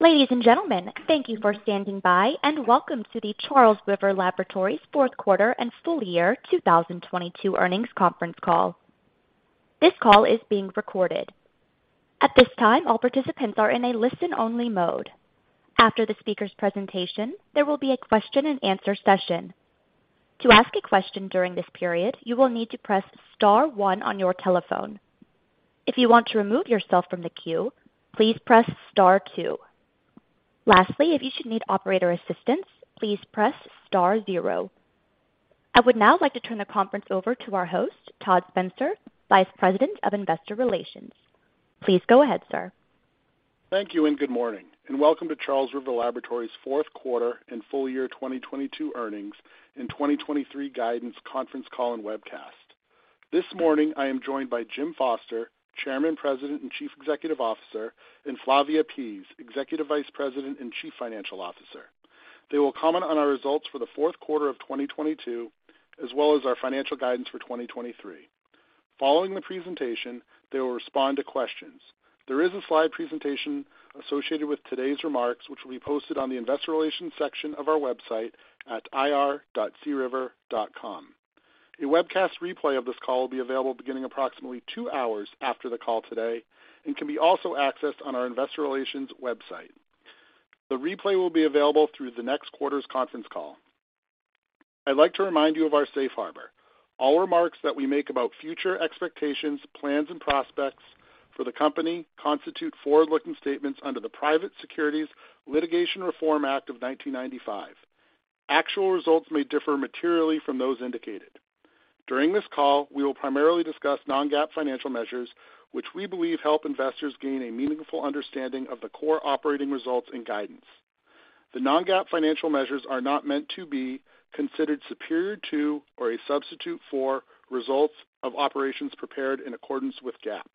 Ladies and gentlemen, thank you for standing by, and welcome to the Charles River Laboratories fourth quarter and full year 2022 earnings conference call. This call is being recorded. At this time, all participants are in a listen-only mode. After the speaker's presentation, there will be a question-and-answer session. To ask a question during this period, you will need to press star one on your telephone. If you want to remove yourself from the queue, please press star two. Lastly, if you should need operator assistance, please press star zero. I would now like to turn the conference over to our host, Todd Spencer, Vice President of Investor Relations. Please go ahead, sir. Thank you. Good morning, welcome to Charles River Laboratories' fourth quarter and full year 2022 earnings and 2023 guidance conference call and webcast. This morning I am joined by Jim Foster, Chairman, President, and Chief Executive Officer, and Flavia Pease, Executive Vice President and Chief Financial Officer. They will comment on our results for the fourth quarter of 2022, as well as our financial guidance for 2023. Following the presentation, they will respond to questions. There is a slide presentation associated with today's remarks, which will be posted on the investor relations section of our website at ir.criver.com. A webcast replay of this call will be available beginning approximately two hours after the call today and can be also accessed on our investor relations website. The replay will be available through the next quarter's conference call. I'd like to remind you of our safe harbor. All remarks that we make about future expectations, plans, and prospects for the company constitute forward-looking statements under the Private Securities Litigation Reform Act of 1995. Actual results may differ materially from those indicated. During this call, we will primarily discuss non-GAAP financial measures, which we believe help investors gain a meaningful understanding of the core operating results and guidance. The non-GAAP financial measures are not meant to be considered superior to or a substitute for results of operations prepared in accordance with GAAP.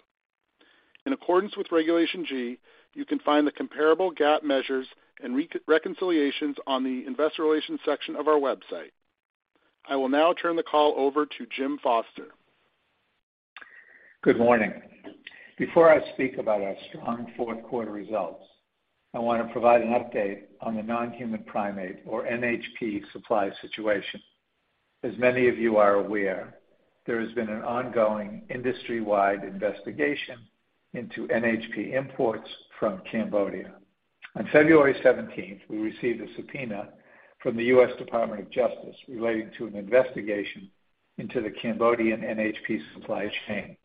In accordance with Regulation G, you can find the comparable GAAP measures and re-reconciliations on the investor relations section of our website. I will now turn the call over to Jim Foster. Good morning. Before I speak about our strong fourth quarter results, I want to provide an update on the non-human primate, or NHP, supply situation. As many of you are aware, there has been an ongoing industry-wide investigation into NHP imports from Cambodia. On February 17th, we received a subpoena from the U.S. Department of Justice relating to an investigation into the Cambodian NHP supply chain.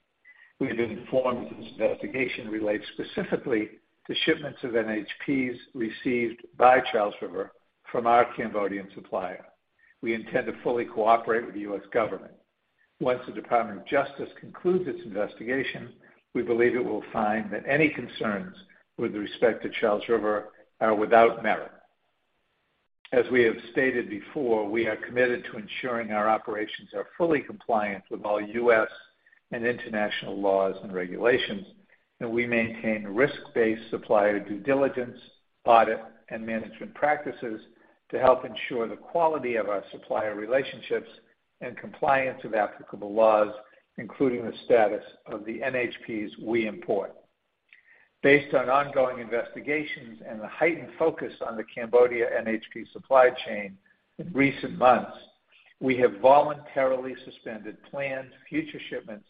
We've been informed that this investigation relates specifically to shipments of NHPs received by Charles River from our Cambodian supplier. We intend to fully cooperate with the U.S. government. Once the Department of Justice concludes its investigation, we believe it will find that any concerns with respect to Charles River are without merit. As we have stated before, we are committed to ensuring our operations are fully compliant with all U.S. and international laws and regulations, and we maintain risk-based supplier due diligence, audit, and management practices to help ensure the quality of our supplier relationships and compliance of applicable laws, including the status of the NHPs we import. Based on ongoing investigations and the heightened focus on the Cambodia NHP supply chain in recent months, we have voluntarily suspended planned future shipments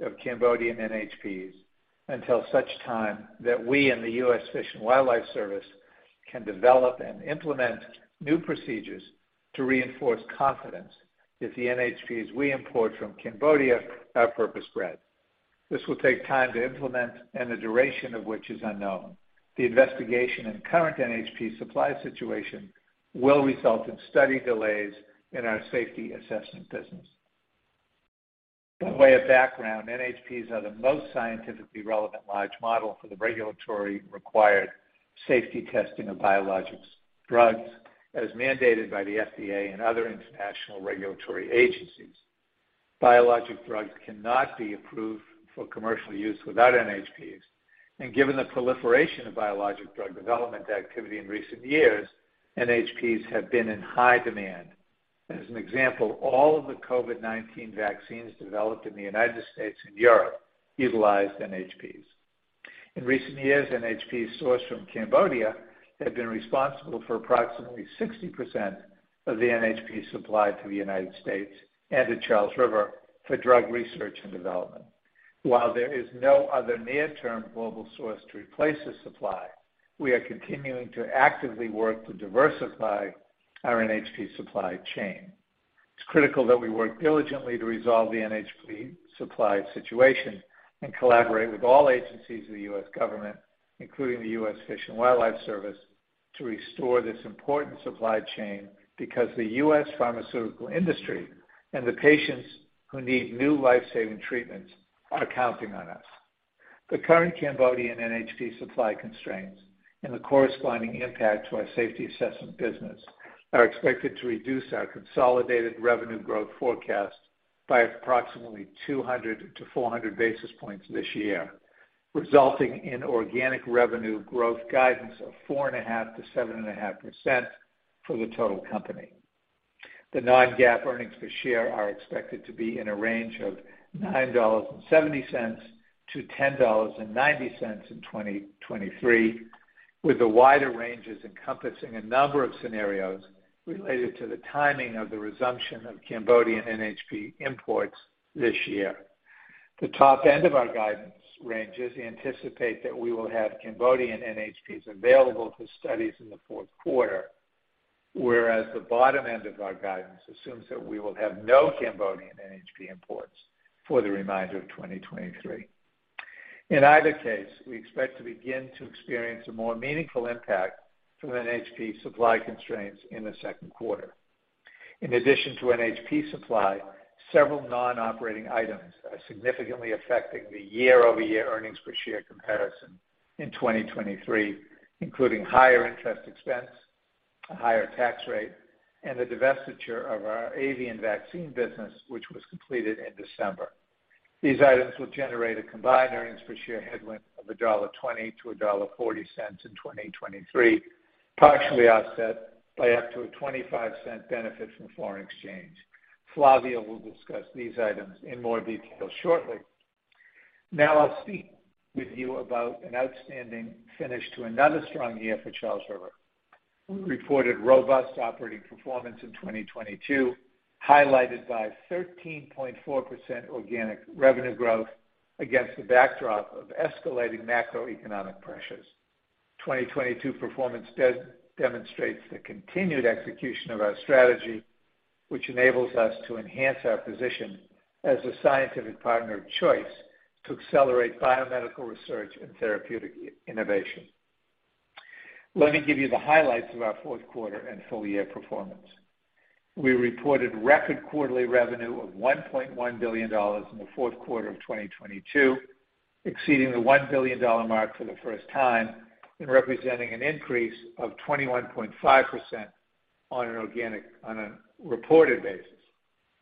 of Cambodian NHPs until such time that we and the U.S. Fish and Wildlife Service can develop and implement new procedures to reinforce confidence that the NHPs we import from Cambodia are purpose-bred. This will take time to implement and the duration of which is unknown. The investigation and current NHP supply situation will result in study delays in our Safety Assessment business. By way of background, NHPs are the most scientifically relevant large model for the regulatory required safety testing of biologics drugs as mandated by the FDA and other international regulatory agencies. Biologic drugs cannot be approved for commercial use without NHPs, and given the proliferation of biologic drug development activity in recent years, NHPs have been in high demand. As an example, all of the COVID-19 vaccines developed in the United States and Europe utilized NHPs. In recent years, NHPs sourced from Cambodia have been responsible for approximately 60% of the NHP supplied to the United States and to Charles River for drug research and development. While there is no other near-term global source to replace the supply, we are continuing to actively work to diversify our NHP supply chain. It's critical that we work diligently to resolve the NHP supply situation and collaborate with all agencies of the U.S. government, including the U.S. Fish and Wildlife Service, to restore this important supply chain because the U.S. pharmaceutical industry and the patients who need new life-saving treatments are counting on us. The current Cambodian NHP supply constraints and the corresponding impact to our Safety Assessment business are expected to reduce our consolidated revenue growth forecast by approximately 200-400 basis points this year, resulting in organic revenue growth guidance of 4.5%-7.5% for the total company. The non-GAAP earnings per share are expected to be in a range of $9.70-$10.90 in 2023, with the wider ranges encompassing a number of scenarios related to the timing of the resumption of Cambodian NHP imports this year. The top end of our guidance ranges anticipate that we will have Cambodian NHPs available for studies in the fourth quarter, whereas the bottom end of our guidance assumes that we will have no Cambodian NHP imports for the remainder of 2023. In either case, we expect to begin to experience a more meaningful impact from NHP supply constraints in the second quarter. In addition to NHP supply, several non-operating items are significantly affecting the year-over-year earnings per share comparison in 2023, including higher interest expense, a higher tax rate, and the divestiture of our Avian Vaccine business, which was completed in December. These items will generate a combined earnings per share headwind of $1.20-$1.40 in 2023, partially offset by up to a $0.25 benefit from foreign exchange. Flavia will discuss these items in more detail shortly. I'll speak with you about an outstanding finish to another strong year for Charles River. We reported robust operating performance in 2022, highlighted by 13.4% organic revenue growth against the backdrop of escalating macroeconomic pressures. 2022 performance does demonstrates the continued execution of our strategy, which enables us to enhance our position as a scientific partner of choice to accelerate biomedical research and therapeutic innovation. Let me give you the highlights of our fourth quarter and full year performance. We reported record quarterly revenue of $1.1 billion in the fourth quarter of 2022, exceeding the $1 billion mark for the first time and representing an increase of 21.5% on a reported basis.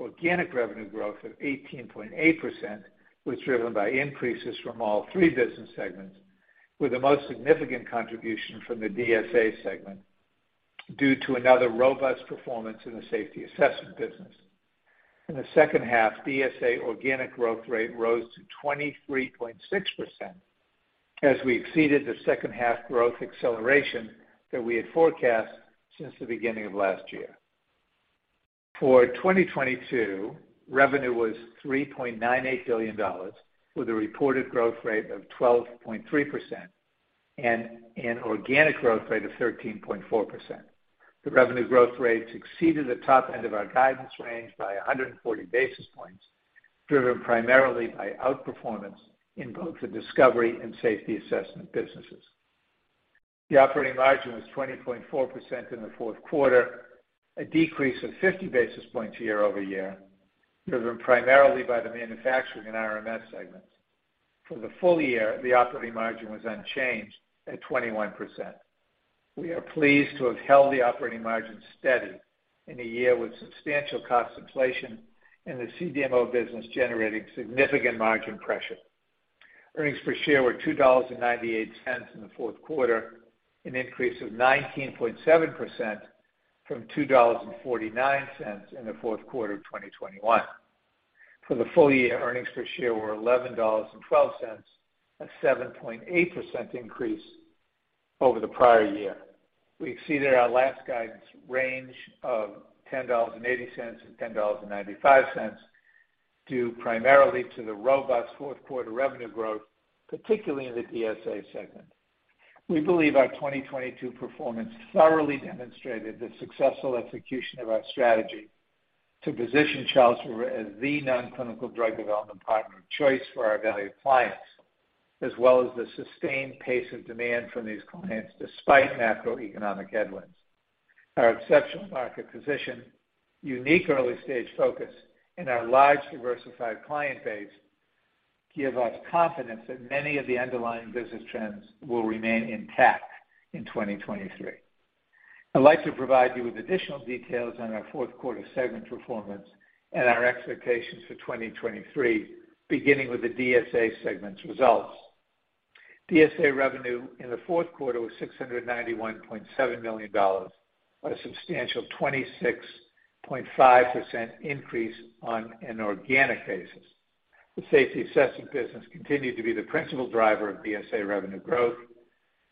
Organic revenue growth of 18.8% was driven by increases from all three business segments, with the most significant contribution from the DSA segment due to another robust performance in the Safety Assessment business. In the second half, DSA organic growth rate rose to 23.6% as we exceeded the second half growth acceleration that we had forecast since the beginning of last year. For 2022, revenue was $3.98 billion, with a reported growth rate of 12.3% and an organic growth rate of 13.4%. The revenue growth rates exceeded the top end of our guidance range by 140 basis points, driven primarily by outperformance in both the Discovery Services and Safety Assessment businesses. The operating margin was 20.4% in the fourth quarter, a decrease of 50 basis points year-over-year, driven primarily by the manufacturing and RMS segments. For the full year, the operating margin was unchanged at 21%. We are pleased to have held the operating margin steady in a year with substantial cost inflation and the CDMO business generating significant margin pressure. Earnings per share were $2.98 in the fourth quarter, an increase of 19.7% from $2.49 in the fourth quarter of 2021. For the full year, earnings per share were $11.12, a 7.8% increase over the prior year. We exceeded our last guidance range of $10.80 and $10.95, due primarily to the robust fourth quarter revenue growth, particularly in the DSA segment. We believe our 2022 performance thoroughly demonstrated the successful execution of our strategy to position Charles River as the non-clinical drug development partner of choice for our valued clients, as well as the sustained pace of demand from these clients despite macroeconomic headwinds. Our exceptional market position, unique early-stage focus, and our large diversified client base give us confidence that many of the underlying business trends will remain intact in 2023. I'd like to provide you with additional details on our 4th quarter segment performance and our expectations for 2023, beginning with the DSA segment's results. DSA revenue in the 4th quarter was $691.7 million, on a substantial 26.5% increase on an organic basis. The Safety Assessment business continued to be the principal driver of DSA revenue growth,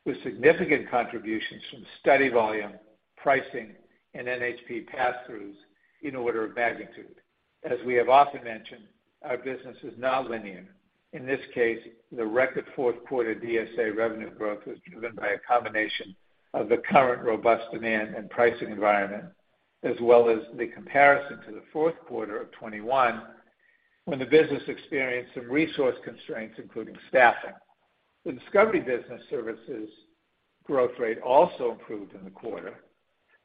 with significant contributions from study volume, pricing, and NHP pass-throughs in order of magnitude. As we have often mentioned, our business is non-linear. In this case, the record fourth quarter DSA revenue growth was driven by a combination of the current robust demand and pricing environment, as well as the comparison to the fourth quarter of 2021, when the business experienced some resource constraints, including staffing. The Discovery Services business services growth rate also improved in the quarter.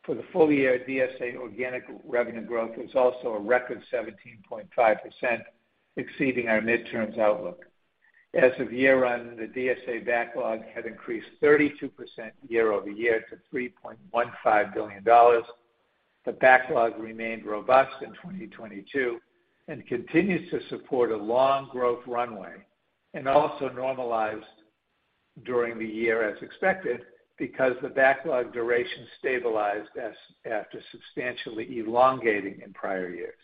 For the full year, DSA organic revenue growth was also a record 17.5%, exceeding our midterms outlook. As of year-end, the DSA backlog had increased 32% year-over-year to $3.15 billion. The backlog remained robust in 2022. Also normalized during the year as expected, because the backlog duration stabilized after substantially elongating in prior years.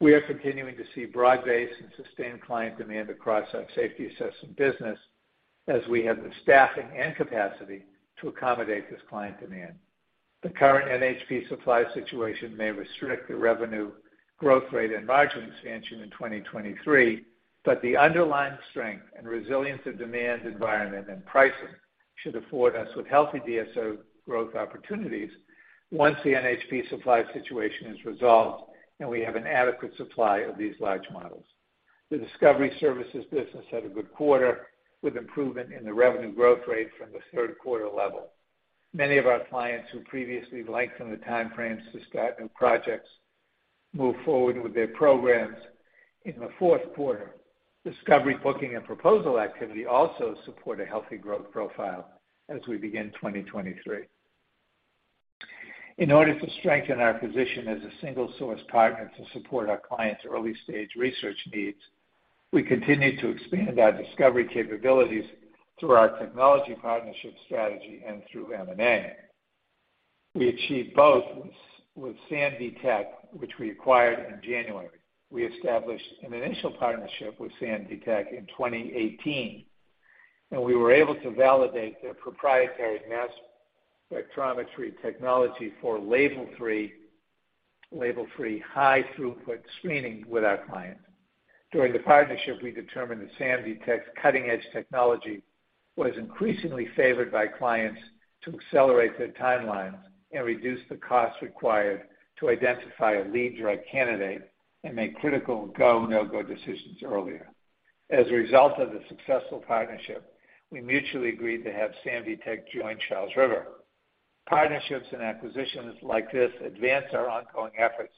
We are continuing to see broad-based and sustained client demand across the Safety Assessment business as we have the staffing and capacity to accommodate this client demand. The current NHP supply situation may restrict the revenue growth rate and margin expansion in 2023, but the underlying strength and resilience of demand environment and pricing should afford us with healthy DSO growth opportunities once the NHP supply situation is resolved and we have an adequate supply of these large models. The Discovery Services business had a good quarter with improvement in the revenue growth rate from the third quarter level. Many of our clients who previously lengthened the time frames to start new projects moved forward with their programs in the fourth quarter. Discovery booking and proposal activity also support a healthy growth profile as we begin 2023. In order to strengthen our position as a single source partner to support our clients' early-stage research needs, we continue to expand our discovery capabilities through our technology partnership strategy and through M&A. We achieved both with SAMDI Tech, which we acquired in January. We established an initial partnership with SAMDI Tech in 2018, and we were able to validate their proprietary mass spectrometry technology for label-free high throughput screening with our clients. During the partnership, we determined that SAMDI Tech's cutting-edge technology was increasingly favored by clients to accelerate their timelines and reduce the costs required to identify a lead drug candidate and make critical go, no-go decisions earlier. As a result of the successful partnership, we mutually agreed to have SAMDI Tech join Charles River. Partnerships and acquisitions like this advance our ongoing efforts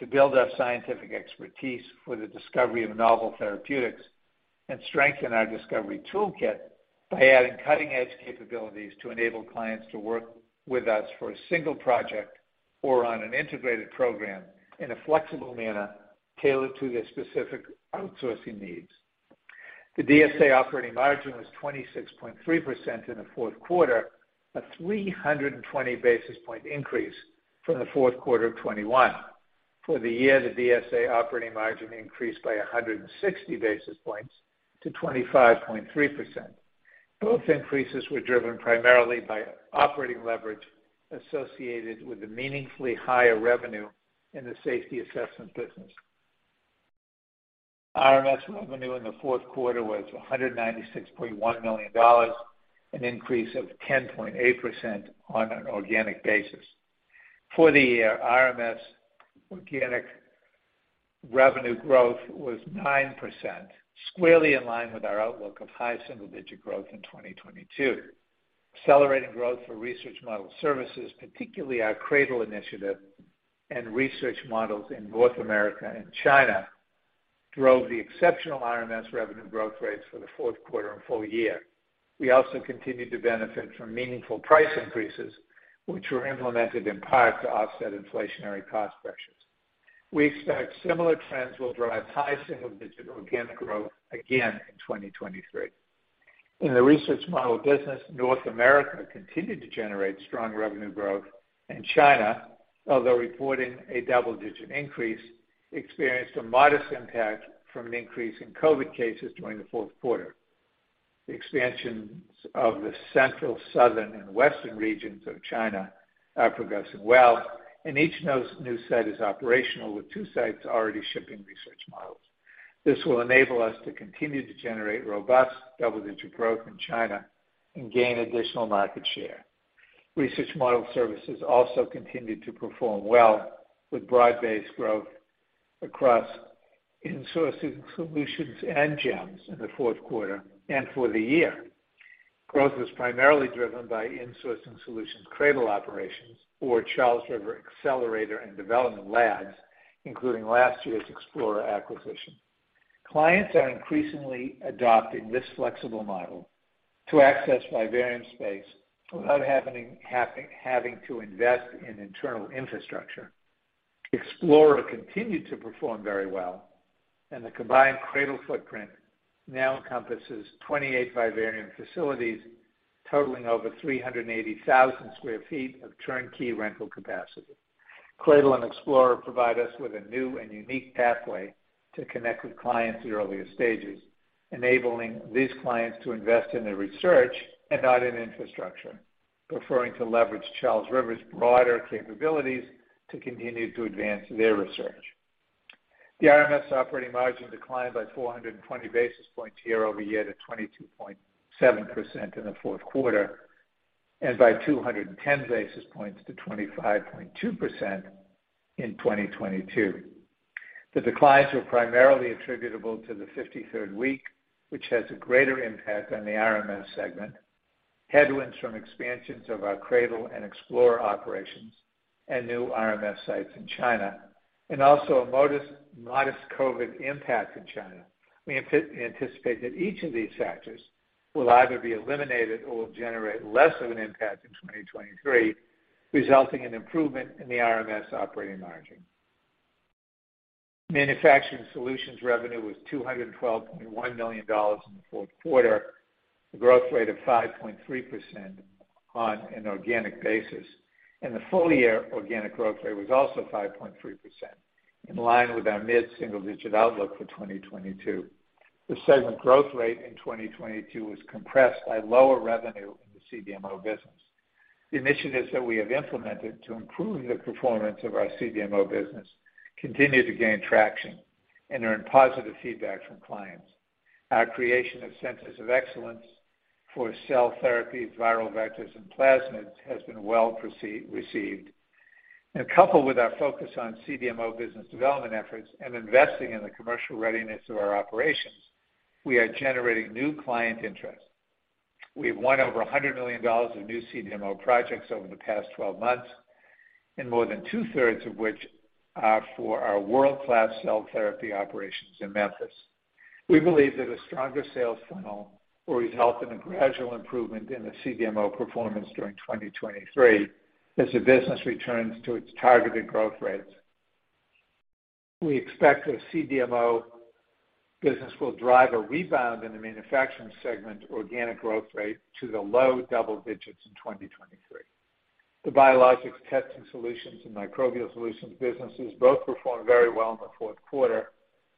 to build our scientific expertise for the discovery of novel therapeutics and strengthen our discovery toolkit by adding cutting-edge capabilities to enable clients to work with us for a single project or on an integrated program in a flexible manner tailored to their specific outsourcing needs. The DSA operating margin was 26.3% in the fourth quarter, a 320 basis point increase from the fourth quarter of 2021. For the year, the DSA operating margin increased by 160 basis points to 25.3%. Both increases were driven primarily by operating leverage associated with the meaningfully higher revenue in the Safety Assessment business. RMS revenue in the fourth quarter was $196.1 million, an increase of 10.8% on an organic basis. For the year, RMS organic revenue growth was 9%, squarely in line with our outlook of high single-digit growth in 2022. Accelerated growth for research model services, particularly our CRADL initiative and research models in North America and China, drove the exceptional RMS revenue growth rates for the fourth quarter and full year. We also continued to benefit from meaningful price increases, which were implemented in part to offset inflationary cost pressures. We expect similar trends will drive high single-digit organic growth again in 2023. In the research model business, North America continued to generate strong revenue growth in China, although reporting a double-digit increase experienced a modest impact from an increase in COVID-19 cases during the fourth quarter. The expansions of the central, southern, and western regions of China are progressing well, and each of those new site is operational with 2 sites already shipping research models. This will enable us to continue to generate robust double-digit growth in China and gain additional market share. Research model services also continued to perform well with broad-based growth across Insourcing Solutions and GEMS in the fourth quarter and for the year. Growth was primarily driven by Insourcing Solutions, CRADL operations or Charles River Accelerator and Development Lab, including last year's Explora BioLabs acquisition. Clients are increasingly adopting this flexible model to access vivarium space without having to invest in internal infrastructure. Explora BioLabs continued to perform very well, and the combined CRADL footprint now encompasses 28 vivarium facilities, totaling over 380,000 sq ft of turnkey rental capacity. CRADL and Explora BioLabs provide us with a new and unique pathway to connect with clients at earlier stages, enabling these clients to invest in their research and not in infrastructure, preferring to leverage Charles River's broader capabilities to continue to advance their research. The RMS operating margin declined by 420 basis points year-over-year to 22.7% in the fourth quarter, and by 210 basis points to 25.2% in 2022. The declines were primarily attributable to the 53rd week, which has a greater impact on the RMS segment, headwinds from expansions of our CRADL and Explora BioLabs operations and new RMS sites in China, and also a modest COVID-19 impact in China. We anticipate that each of these factors will either be eliminated or will generate less of an impact in 2023, resulting in improvement in the RMS operating margin. Manufacturing Solutions revenue was $212.1 million in the fourth quarter, a growth rate of 5.3% on an organic basis. The full year organic growth rate was also 5.3%, in line with our mid-single digit outlook for 2022. The segment growth rate in 2022 was compressed by lower revenue in the CDMO business. The initiatives that we have implemented to improve the performance of our CDMO business continue to gain traction and earn positive feedback from clients. Our creation of centers of excellence for cell therapies, viral vectors, and plasmids has been well received. Coupled with our focus on CDMO business development efforts and investing in the commercial readiness of our operations, we are generating new client interest. We have won over $100 million of new CDMO projects over the past 12 months, and more than two-thirds of which are for our world-class cell therapy operations in Memphis. We believe that a stronger sales funnel will result in a gradual improvement in the CDMO performance during 2023 as the business returns to its targeted growth rates. We expect the CDMO business will drive a rebound in the manufacturing segment organic growth rate to the low double digits in 2023. The Biologics Testing Solutions and Microbial Solutions businesses both performed very well in the fourth quarter,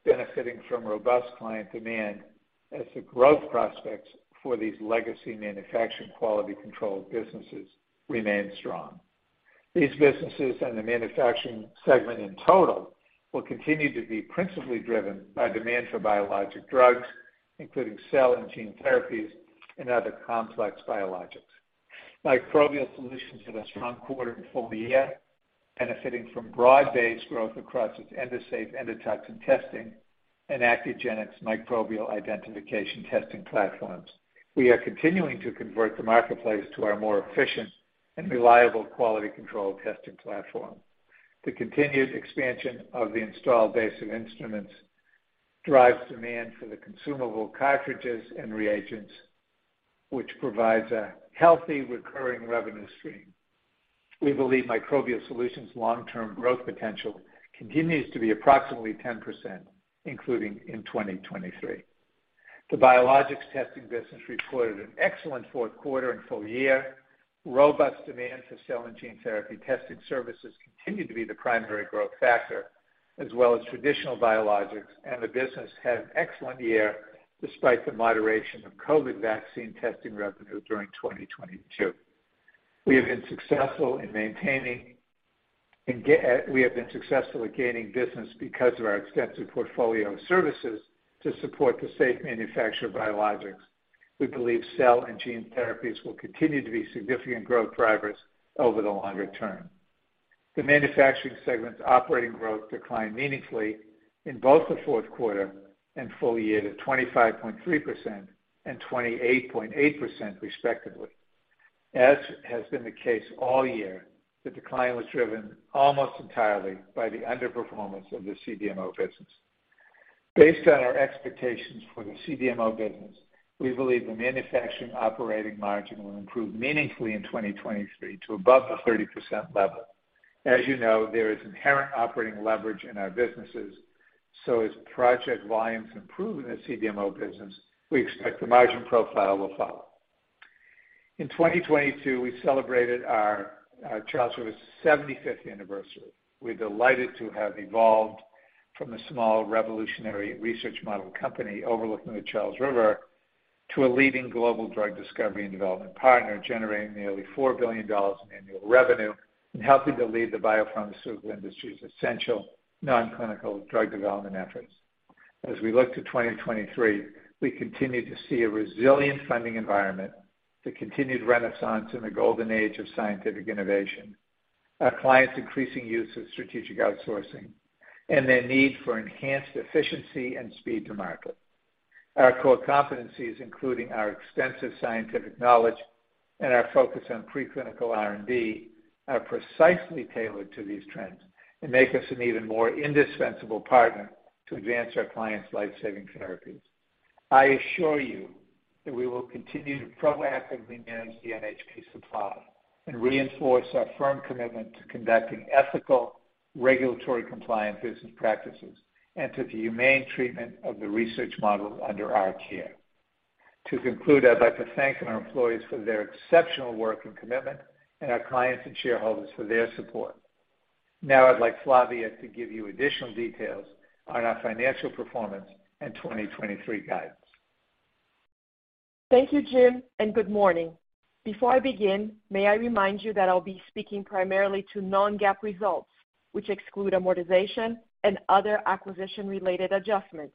benefiting from robust client demand as the growth prospects for these legacy manufacturing quality control businesses remain strong. These businesses and the manufacturing segment in total will continue to be principally driven by demand for biologic drugs, including cell and gene therapies and other complex biologics. Microbial Solutions had a strong quarter and full year, benefiting from broad-based growth across its Endosafe endotoxin testing and Accugenix microbial identification testing platforms. We are continuing to convert the marketplace to our more efficient and reliable quality control testing platform. The continued expansion of the installed base of instruments drives demand for the consumable cartridges and reagents, which provides a healthy recurring revenue stream. We believe Microbial Solutions' long-term growth potential continues to be approximately 10%, including in 2023. The Biologics Testing business reported an excellent fourth quarter and full year. Robust demand for cell and gene therapy testing services continued to be the primary growth factor, as well as traditional biologics. The business had an excellent year despite the moderation of COVID vaccine testing revenue during 2022. We have been successful at gaining business because of our extensive portfolio of services to support the safe manufacture of biologics. We believe cell and gene therapies will continue to be significant growth drivers over the longer term. The manufacturing segment's operating growth declined meaningfully in both the fourth quarter and full year to 25.3% and 28.8% respectively. As has been the case all year, the decline was driven almost entirely by the underperformance of the CDMO business. Based on our expectations for the CDMO business, we believe the manufacturing operating margin will improve meaningfully in 2023 to above the 30% level. As you know, there is inherent operating leverage in our businesses, as project volumes improve in the CDMO business, we expect the margin profile will follow. In 2022, we celebrated our Charles River's 75th anniversary. We're delighted to have evolved from a small revolutionary research model company overlooking the Charles River to a leading global drug discovery and development partner, generating nearly $4 billion in annual revenue and helping to lead the biopharmaceutical industry's essential non-clinical drug development efforts. As we look to 2023, we continue to see a resilient funding environment, the continued renaissance in the golden age of scientific innovation, our clients' increasing use of strategic outsourcing, and their need for enhanced efficiency and speed to market. Our core competencies, including our extensive scientific knowledge and our focus on preclinical R&D, are precisely tailored to these trends and make us an even more indispensable partner to advance our clients' life-saving therapies. I assure you that we will continue to proactively manage the NHP supply and reinforce our firm commitment to conducting ethical, regulatory compliant business practices and to the humane treatment of the research models under our care. To conclude, I'd like to thank our employees for their exceptional work and commitment and our clients and shareholders for their support. I'd like Flavia to give you additional details on our financial performance and 2023 guidance. Thank you, Jim, and good morning. Before I begin, may I remind you that I'll be speaking primarily to non-GAAP results, which exclude amortization and other acquisition-related adjustments,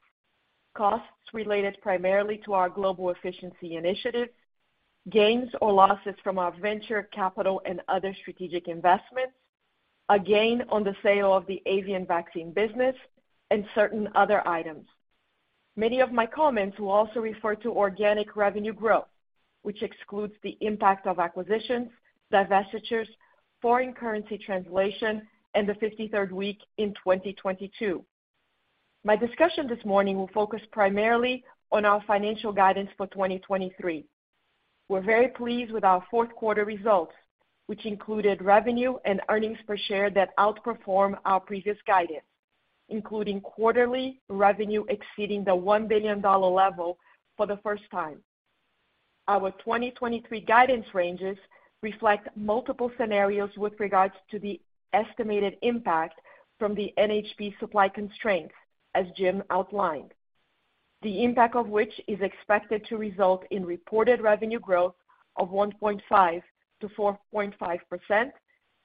costs related primarily to our global efficiency initiatives, gains or losses from our venture capital and other strategic investments, a gain on the sale of the Avian Vaccine business, and certain other items. Many of my comments will also refer to organic revenue growth, which excludes the impact of acquisitions, divestitures, foreign currency translation, and the 53rd week in 2022. My discussion this morning will focus primarily on our financial guidance for 2023. We're very pleased with our fourth quarter results, which included revenue and earnings per share that outperform our previous guidance, including quarterly revenue exceeding the $1 billion level for the first time. Our 2023 guidance ranges reflect multiple scenarios with regards to the estimated impact from the NHP supply constraints, as Jim outlined. The impact of which is expected to result in reported revenue growth of 1.5%-4.5%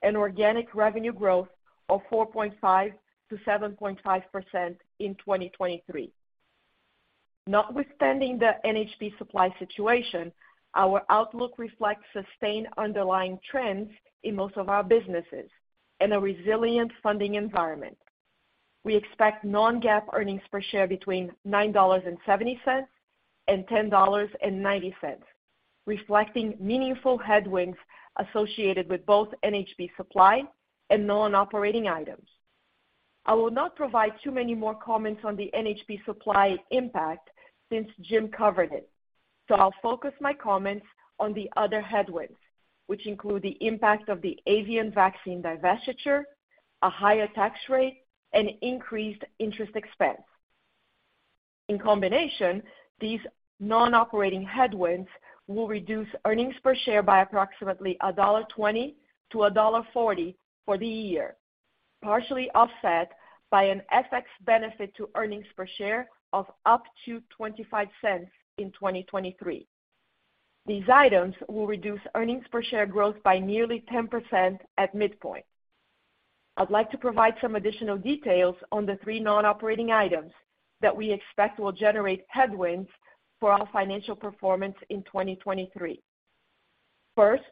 and organic revenue growth of 4.5%-7.5% in 2023. Notwithstanding the NHP supply situation, our outlook reflects sustained underlying trends in most of our businesses and a resilient funding environment. We expect non-GAAP earnings per share between $9.70 and $10.90, reflecting meaningful headwinds associated with both NHP supply and non-operating items. I will not provide too many more comments on the NHP supply impact since Jim covered it, so I'll focus my comments on the other headwinds, which include the impact of the Avian Vaccine divestiture, a higher tax rate, and increased interest expense. In combination, these non-operating headwinds will reduce earnings per share by approximately $1.20-$1.40 for the year, partially offset by an FX benefit to earnings per share of up to $0.25 in 2023. These items will reduce earnings per share growth by nearly 10% at midpoint. I'd like to provide some additional details on the three non-operating items that we expect will generate headwinds for our financial performance in 2023. First,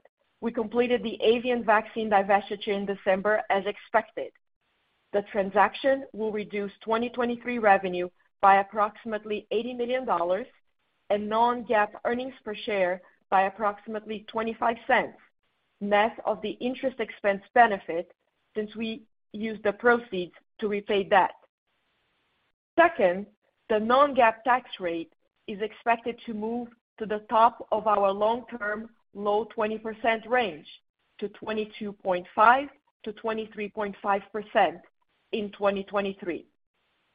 we completed the Avian Vaccine divestiture in December as expected. The transaction will reduce 2023 revenue by approximately $80 million and non-GAAP earnings per share by approximately $0.25, net of the interest expense benefit since we used the proceeds to repay debt. Second, the non-GAAP tax rate is expected to move to the top of our long-term low 20% range to 22.5%-23.5% in 2023,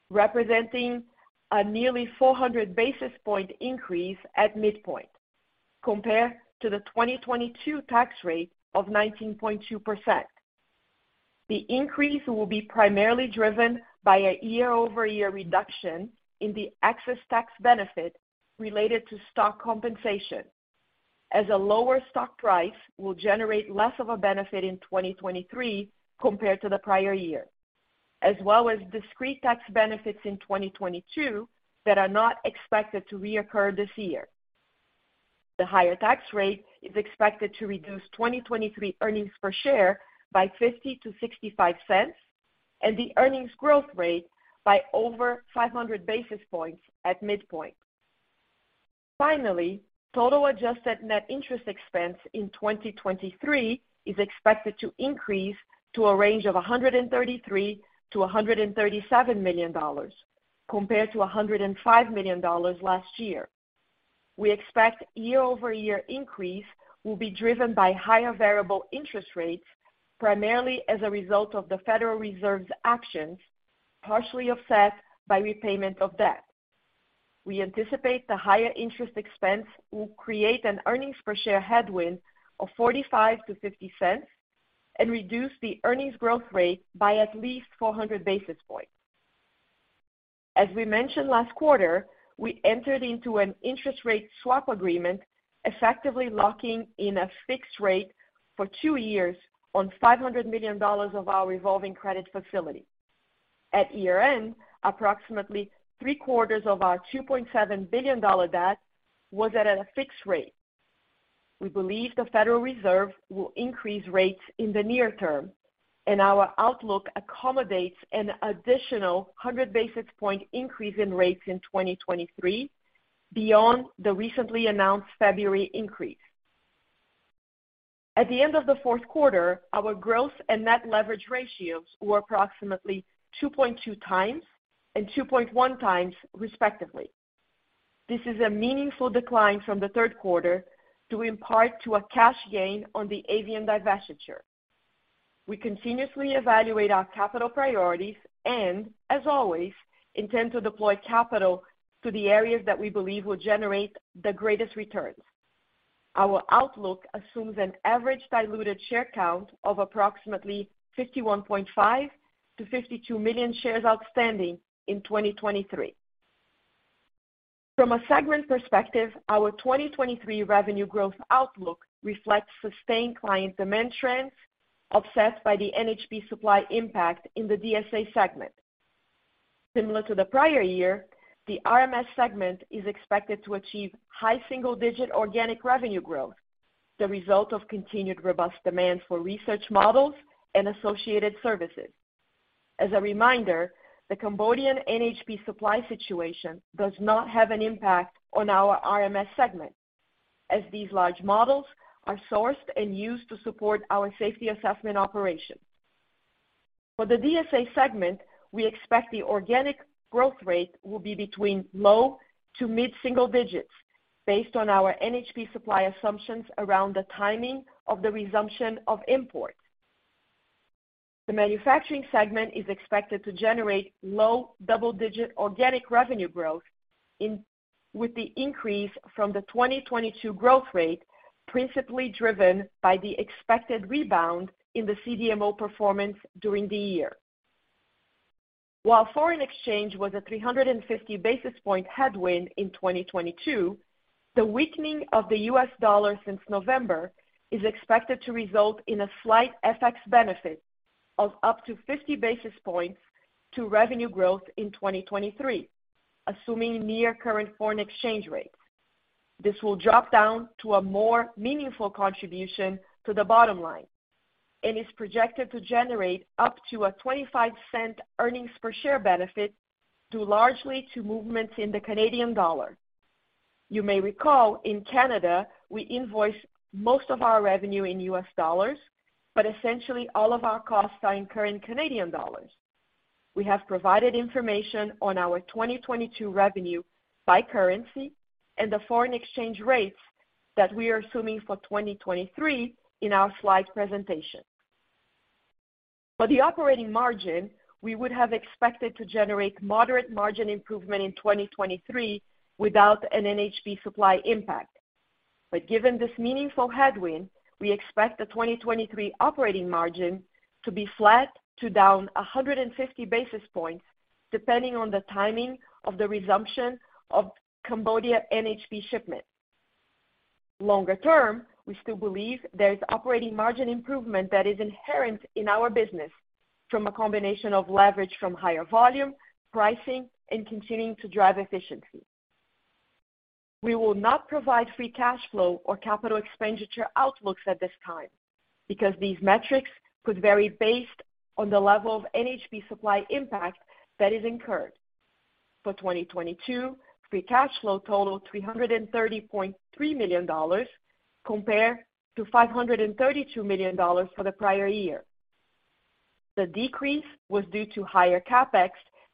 representing a nearly 400 basis point increase at midpoint compared to the 2022 tax rate of 19.2%. The increase will be primarily driven by a year-over-year reduction in the excess tax benefit related to stock compensation, as a lower stock price will generate less of a benefit in 2023 compared to the prior year, as well as discrete tax benefits in 2022 that are not expected to reoccur this year. The higher tax rate is expected to reduce 2023 earnings per share by $0.50-$0.65 and the earnings growth rate by over 500 basis points at midpoint. Finally, total adjusted net interest expense in 2023 is expected to increase to a range of $133 million-$137 million compared to $105 million last year. We expect year-over-year increase will be driven by higher variable interest rates, primarily as a result of the Federal Reserve's actions, partially offset by repayment of debt. We anticipate the higher interest expense will create an earnings per share headwind of $0.45-$0.50 and reduce the earnings growth rate by at least 400 basis points. As we mentioned last quarter, we entered into an interest rate swap agreement, effectively locking in a fixed rate for 2 years on $500 million of our revolving credit facility. At year-end, approximately three-quarters of our $2.7 billion debt was at a fixed rate. We believe the Federal Reserve will increase rates in the near term, and our outlook accommodates an additional 100 basis point increase in rates in 2023 beyond the recently announced February increase. At the end of the fourth quarter, our growth and net leverage ratios were approximately 2.2x and 2.1x respectively. This is a meaningful decline from the third quarter due in part to a cash gain on the avian divestiture. We continuously evaluate our capital priorities and, as always, intend to deploy capital to the areas that we believe will generate the greatest returns. Our outlook assumes an average diluted share count of approximately 51.5 to 52 million shares outstanding in 2023. From a segment perspective, our 2023 revenue growth outlook reflects sustained client demand trends offset by the NHP supply impact in the DSA segment. Similar to the prior year, the RMS segment is expected to achieve high single-digit organic revenue growth, the result of continued robust demand for research models and associated services. As a reminder, the Cambodian NHP supply situation does not have an impact on our RMS segment, as these large models are sourced and used to support our Safety Assessment operations. For the DSA segment, we expect the organic growth rate will be between low to mid-single digits based on our NHP supply assumptions around the timing of the resumption of imports. The manufacturing segment is expected to generate low double-digit organic revenue growth, with the increase from the 2022 growth rate principally driven by the expected rebound in the CDMO performance during the year. While foreign exchange was a 350 basis point headwind in 2022, the weakening of the U.S. dollar since November is expected to result in a slight FX benefit of up to 50 basis points to revenue growth in 2023, assuming near current foreign exchange rates. This will drop down to a more meaningful contribution to the bottom line and is projected to generate up to a $0.25 earnings per share benefit due largely to movements in the Canadian dollar. You may recall in Canada, we invoice most of our revenue in U.S. dollars, but essentially all of our costs are in current Canadian dollars. We have provided information on our 2022 revenue by currency and the foreign exchange rates that we are assuming for 2023 in our slide presentation. For the operating margin, we would have expected to generate moderate margin improvement in 2023 without an NHP supply impact. Given this meaningful headwind, we expect the 2023 operating margin to be flat to down 150 basis points, depending on the timing of the resumption of Cambodia NHP shipments. Longer term, we still believe there is operating margin improvement that is inherent in our business from a combination of leverage from higher volume, pricing, and continuing to drive efficiency. We will not provide free cash flow or CapEx outlooks at this time because these metrics could vary based on the level of NHP supply impact that is incurred. For 2022, free cash flow totaled $330.3 million, compared to $532 million for the prior year. The decrease was due to higher CapEx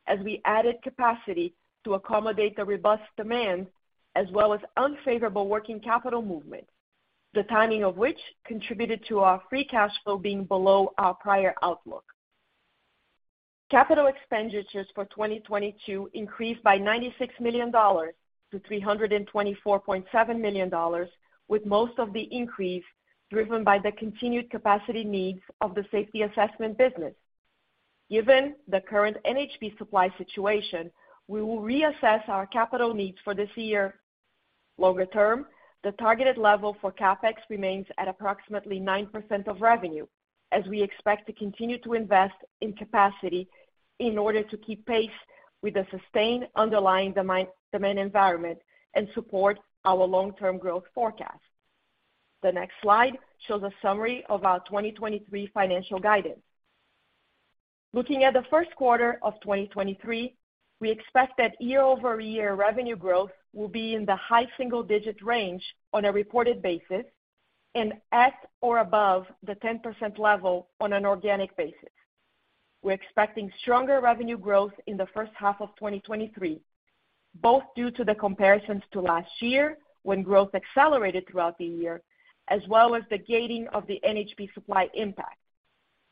as we added capacity to accommodate the robust demand as well as unfavorable working capital movement, the timing of which contributed to our free cash flow being below our prior outlook. Capital expenditures for 2022 increased by $96 million-$324.7 million, with most of the increase driven by the continued capacity needs of the Safety Assessment business. Given the current NHP supply situation, we will reassess our capital needs for this year. Longer term, the targeted level for CapEx remains at approximately 9% of revenue as we expect to continue to invest in capacity in order to keep pace with the sustained underlying demand environment and support our long-term growth forecast. The next slide shows a summary of our 2023 financial guidance. Looking at the 1st quarter of 2023, we expect that year-over-year revenue growth will be in the high single-digit range on a reported basis and at or above the 10% level on an organic basis. We're expecting stronger revenue growth in the 1st half of 2023, both due to the comparisons to last year when growth accelerated throughout the year, as well as the gating of the NHP supply impact.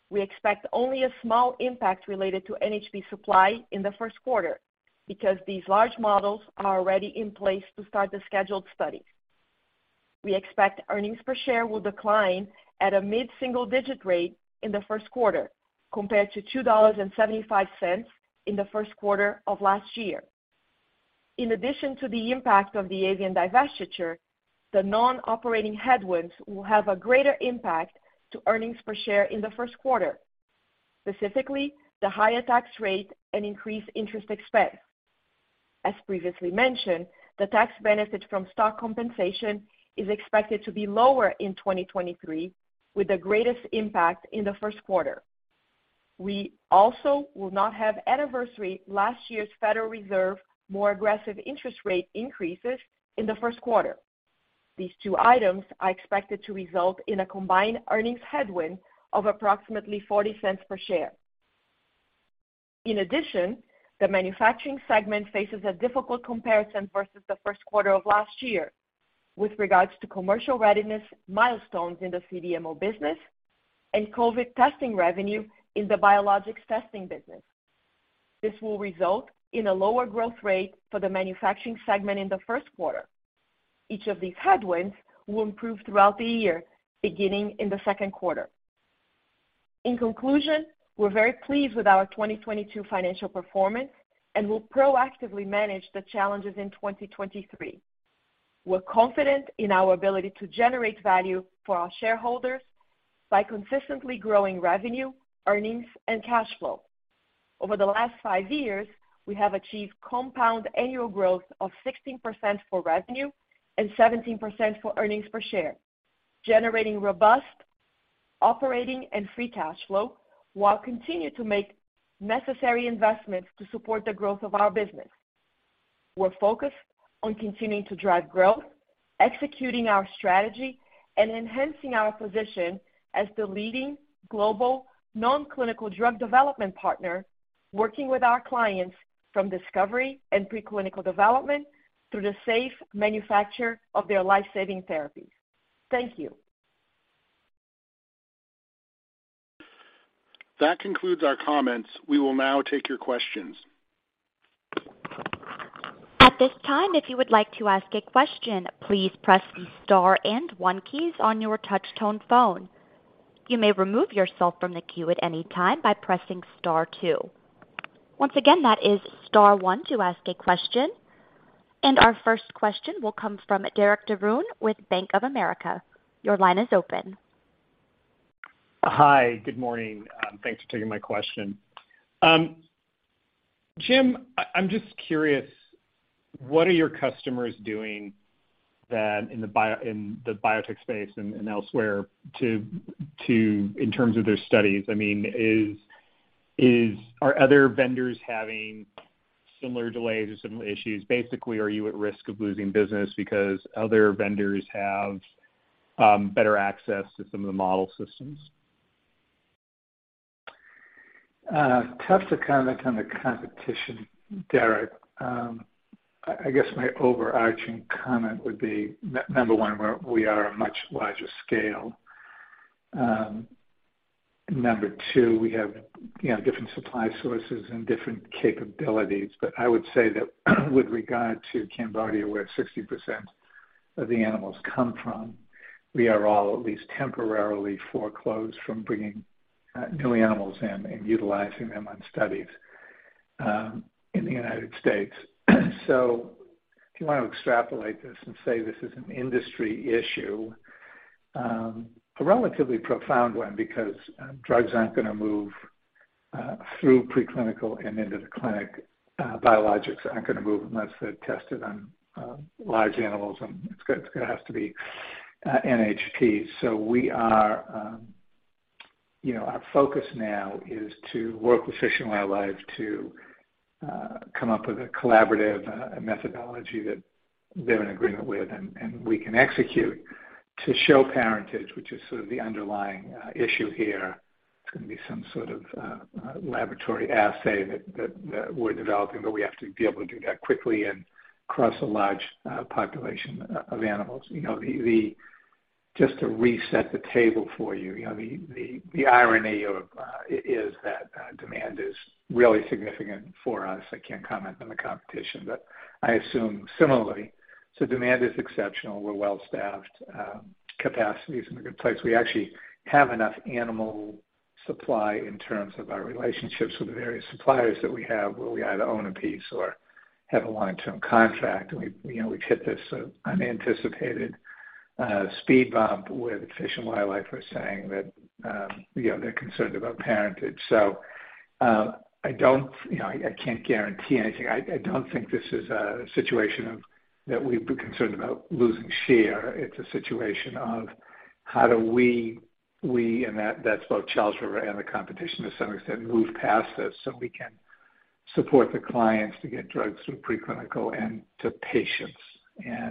We expect only a small impact related to NHP supply in the 1st quarter because these large models are already in place to start the scheduled studies. We expect earnings per share will decline at a mid-single-digit rate in the 1st quarter compared to $2.75 in the 1st quarter of last year. In addition to the impact of the Avian divestiture, the non-operating headwinds will have a greater impact to earnings per share in the first quarter, specifically the higher tax rate and increased interest expense. As previously mentioned, the tax benefit from stock compensation is expected to be lower in 2023, with the greatest impact in the first quarter. We also will not have anniversary last year's Federal Reserve more aggressive interest rate increases in the first quarter. These two items are expected to result in a combined earnings headwind of approximately $0.40 per share. In addition, the manufacturing segment faces a difficult comparison versus the first quarter of last year with regards to commercial readiness milestones in the CDMO business and COVID testing revenue in the biologics testing business. This will result in a lower growth rate for the manufacturing segment in the first quarter. Each of these headwinds will improve throughout the year, beginning in the second quarter. In conclusion, we're very pleased with our 2022 financial performance and will proactively manage the challenges in 2023. We're confident in our ability to generate value for our shareholders by consistently growing revenue, earnings, and cash flow. Over the last five years, we have achieved compound annual growth of 16% for revenue and 17% for earnings per share, generating robust operating and free cash flow while continuing to make necessary investments to support the growth of our business. We're focused on continuing to drive growth, executing our strategy, and enhancing our position as the leading global non-clinical drug development partner, working with our clients from discovery and preclinical development through the safe manufacture of their life-saving therapies. Thank you. That concludes our comments. We will now take your questions. At this time, if you would like to ask a question, please press the star and one keys on your touch-tone phone. You may remove yourself from the queue at any time by pressing star two. Once again, that is star one to ask a question. Our first question will come from Derik De Bruin with Bank of America. Your line is open. Hi, good morning. Thanks for taking my question. Jim, I'm just curious, what are your customers doing, then, in the biotech space and elsewhere in terms of their studies? I mean, are other vendors having similar delays or similar issues? Basically, are you at risk of losing business because other vendors have better access to some of the model systems? Tough to comment on the competition, Derik. I guess my overarching comment would be number 1, we are a much larger scale. Number 2, we have, you know, different supply sources and different capabilities. I would say that with regard to Cambodia, where 60% of the animals come from, we are all at least temporarily foreclosed from bringing new animals in and utilizing them on studies in the United States. If you wanna extrapolate this and say this is an industry issue, a relatively profound one because drugs aren't gonna move through preclinical and into the clinic. Biologics aren't gonna move unless they're tested on large animals and it's gonna have to be NHP. We are, you know, our focus now is to work with Fish and Wildlife to come up with a collaborative methodology that they're in agreement with and we can execute to show parentage, which is sort of the underlying issue here. It's gonna be some sort of laboratory assay that we're developing, but we have to be able to do that quickly and across a large population of animals. You know, Just to reset the table for you know, the irony of is that demand is really significant for us. I can't comment on the competition, but I assume similarly. Demand is exceptional. We're well-staffed. Capacity is in a good place. We actually have enough animal supply in terms of our relationships with the various suppliers that we have, where we either own a piece or have a long-term contract. We've, you know, we've hit this unanticipated speed bump where the Fish and Wildlife are saying that, you know, they're concerned about parentage. I don't, you know, I can't guarantee anything. I don't think this is a situation of that we'd be concerned about losing share. It's a situation of how do we, and that's both Charles River and the competition to some extent, move past this so we can support the clients to get drugs through preclinical and to patients.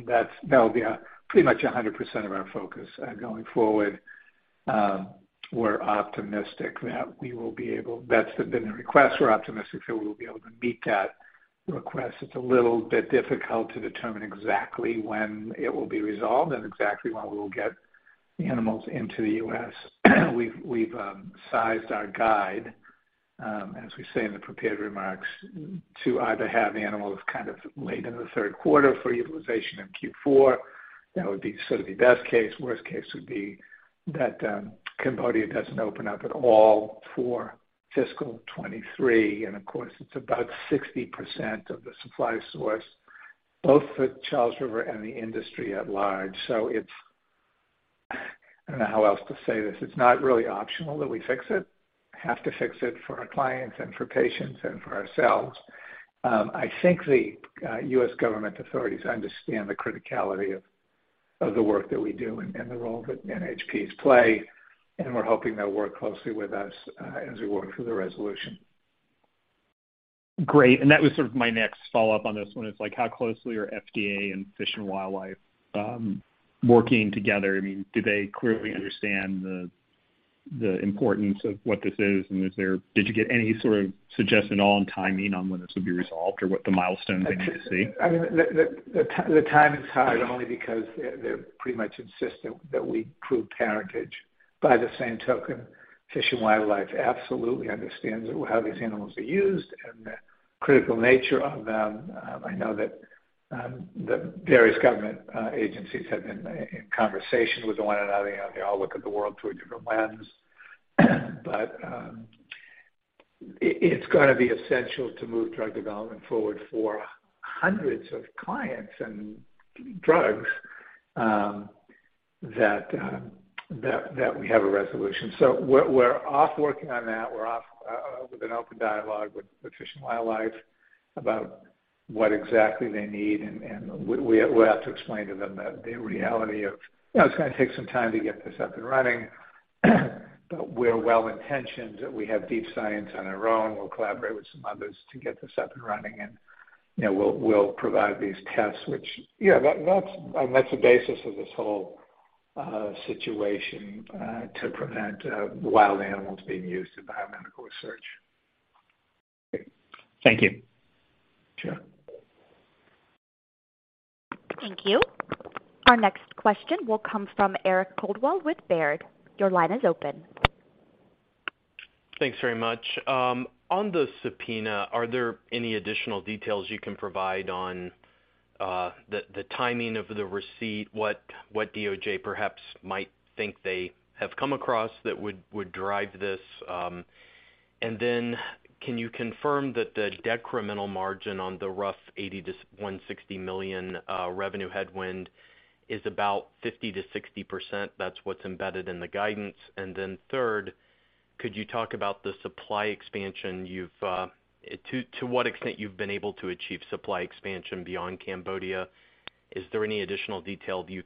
That's, that'll be pretty much 100% of our focus going forward. We're optimistic that we will be able... That's been the request. We're optimistic that we'll be able to meet that request. It's a little bit difficult to determine exactly when it will be resolved and exactly when we'll get the animals into the U.S. We've sized our guide, as we say in the prepared remarks, to either have animals kind of late in the third quarter for utilization in Q4. That would be sort of the best case. Worst case would be that Cambodia doesn't open up at all for fiscal 2023. Of course, it's about 60% of the supply source, both for Charles River and the industry at large. I don't know how else to say this. It's not really optional that we fix it. Have to fix it for our clients and for patients and for ourselves. I think the U.S. government authorities understand the criticality of the work that we do and the role that NHPs play, and we're hoping they'll work closely with us, as we work through the resolution. Great. That was sort of my next follow-up on this one is like, how closely are FDA and Fish and Wildlife, working together? I mean, do they clearly understand the importance of what this is? Did you get any sort of suggestion on timing on when this would be resolved, or what the milestones they need to see? I mean, the time is hard only because they're pretty much insistent that we prove parentage. By the same token, Fish and Wildlife absolutely understands how these animals are used and the critical nature of them. I know that the various government agencies have been in conversation with one another. You know, they all look at the world through a different lens. It's gonna be essential to move drug development forward for hundreds of clients and drugs that we have a resolution. We're off working on that. We're off with an open dialogue with Fish and Wildlife about what exactly they need. We'll have to explain to them that the reality of, you know, it's gonna take some time to get this up and running. We're well-intentioned that we have deep science on our own. We'll collaborate with some others to get this up and running, and, you know, we'll provide these tests, which, yeah, that's, and that's the basis of this whole situation to prevent wild animals being used in biomedical research. Thank you. Sure. Thank you. Our next question will come from Eric Coldwell with Baird. Your line is open. Thanks very much. On the subpoena, are there any additional details you can provide on the timing of the receipt? What DOJ perhaps might think they have come across that would drive this. Can you confirm that the decremental margin on the rough $80 million-$160 million revenue headwind is about 50%-60%, that's what's embedded in the guidance? Third, could you talk about the supply expansion you've to what extent you've been able to achieve supply expansion beyond Cambodia? Is there any additional detail you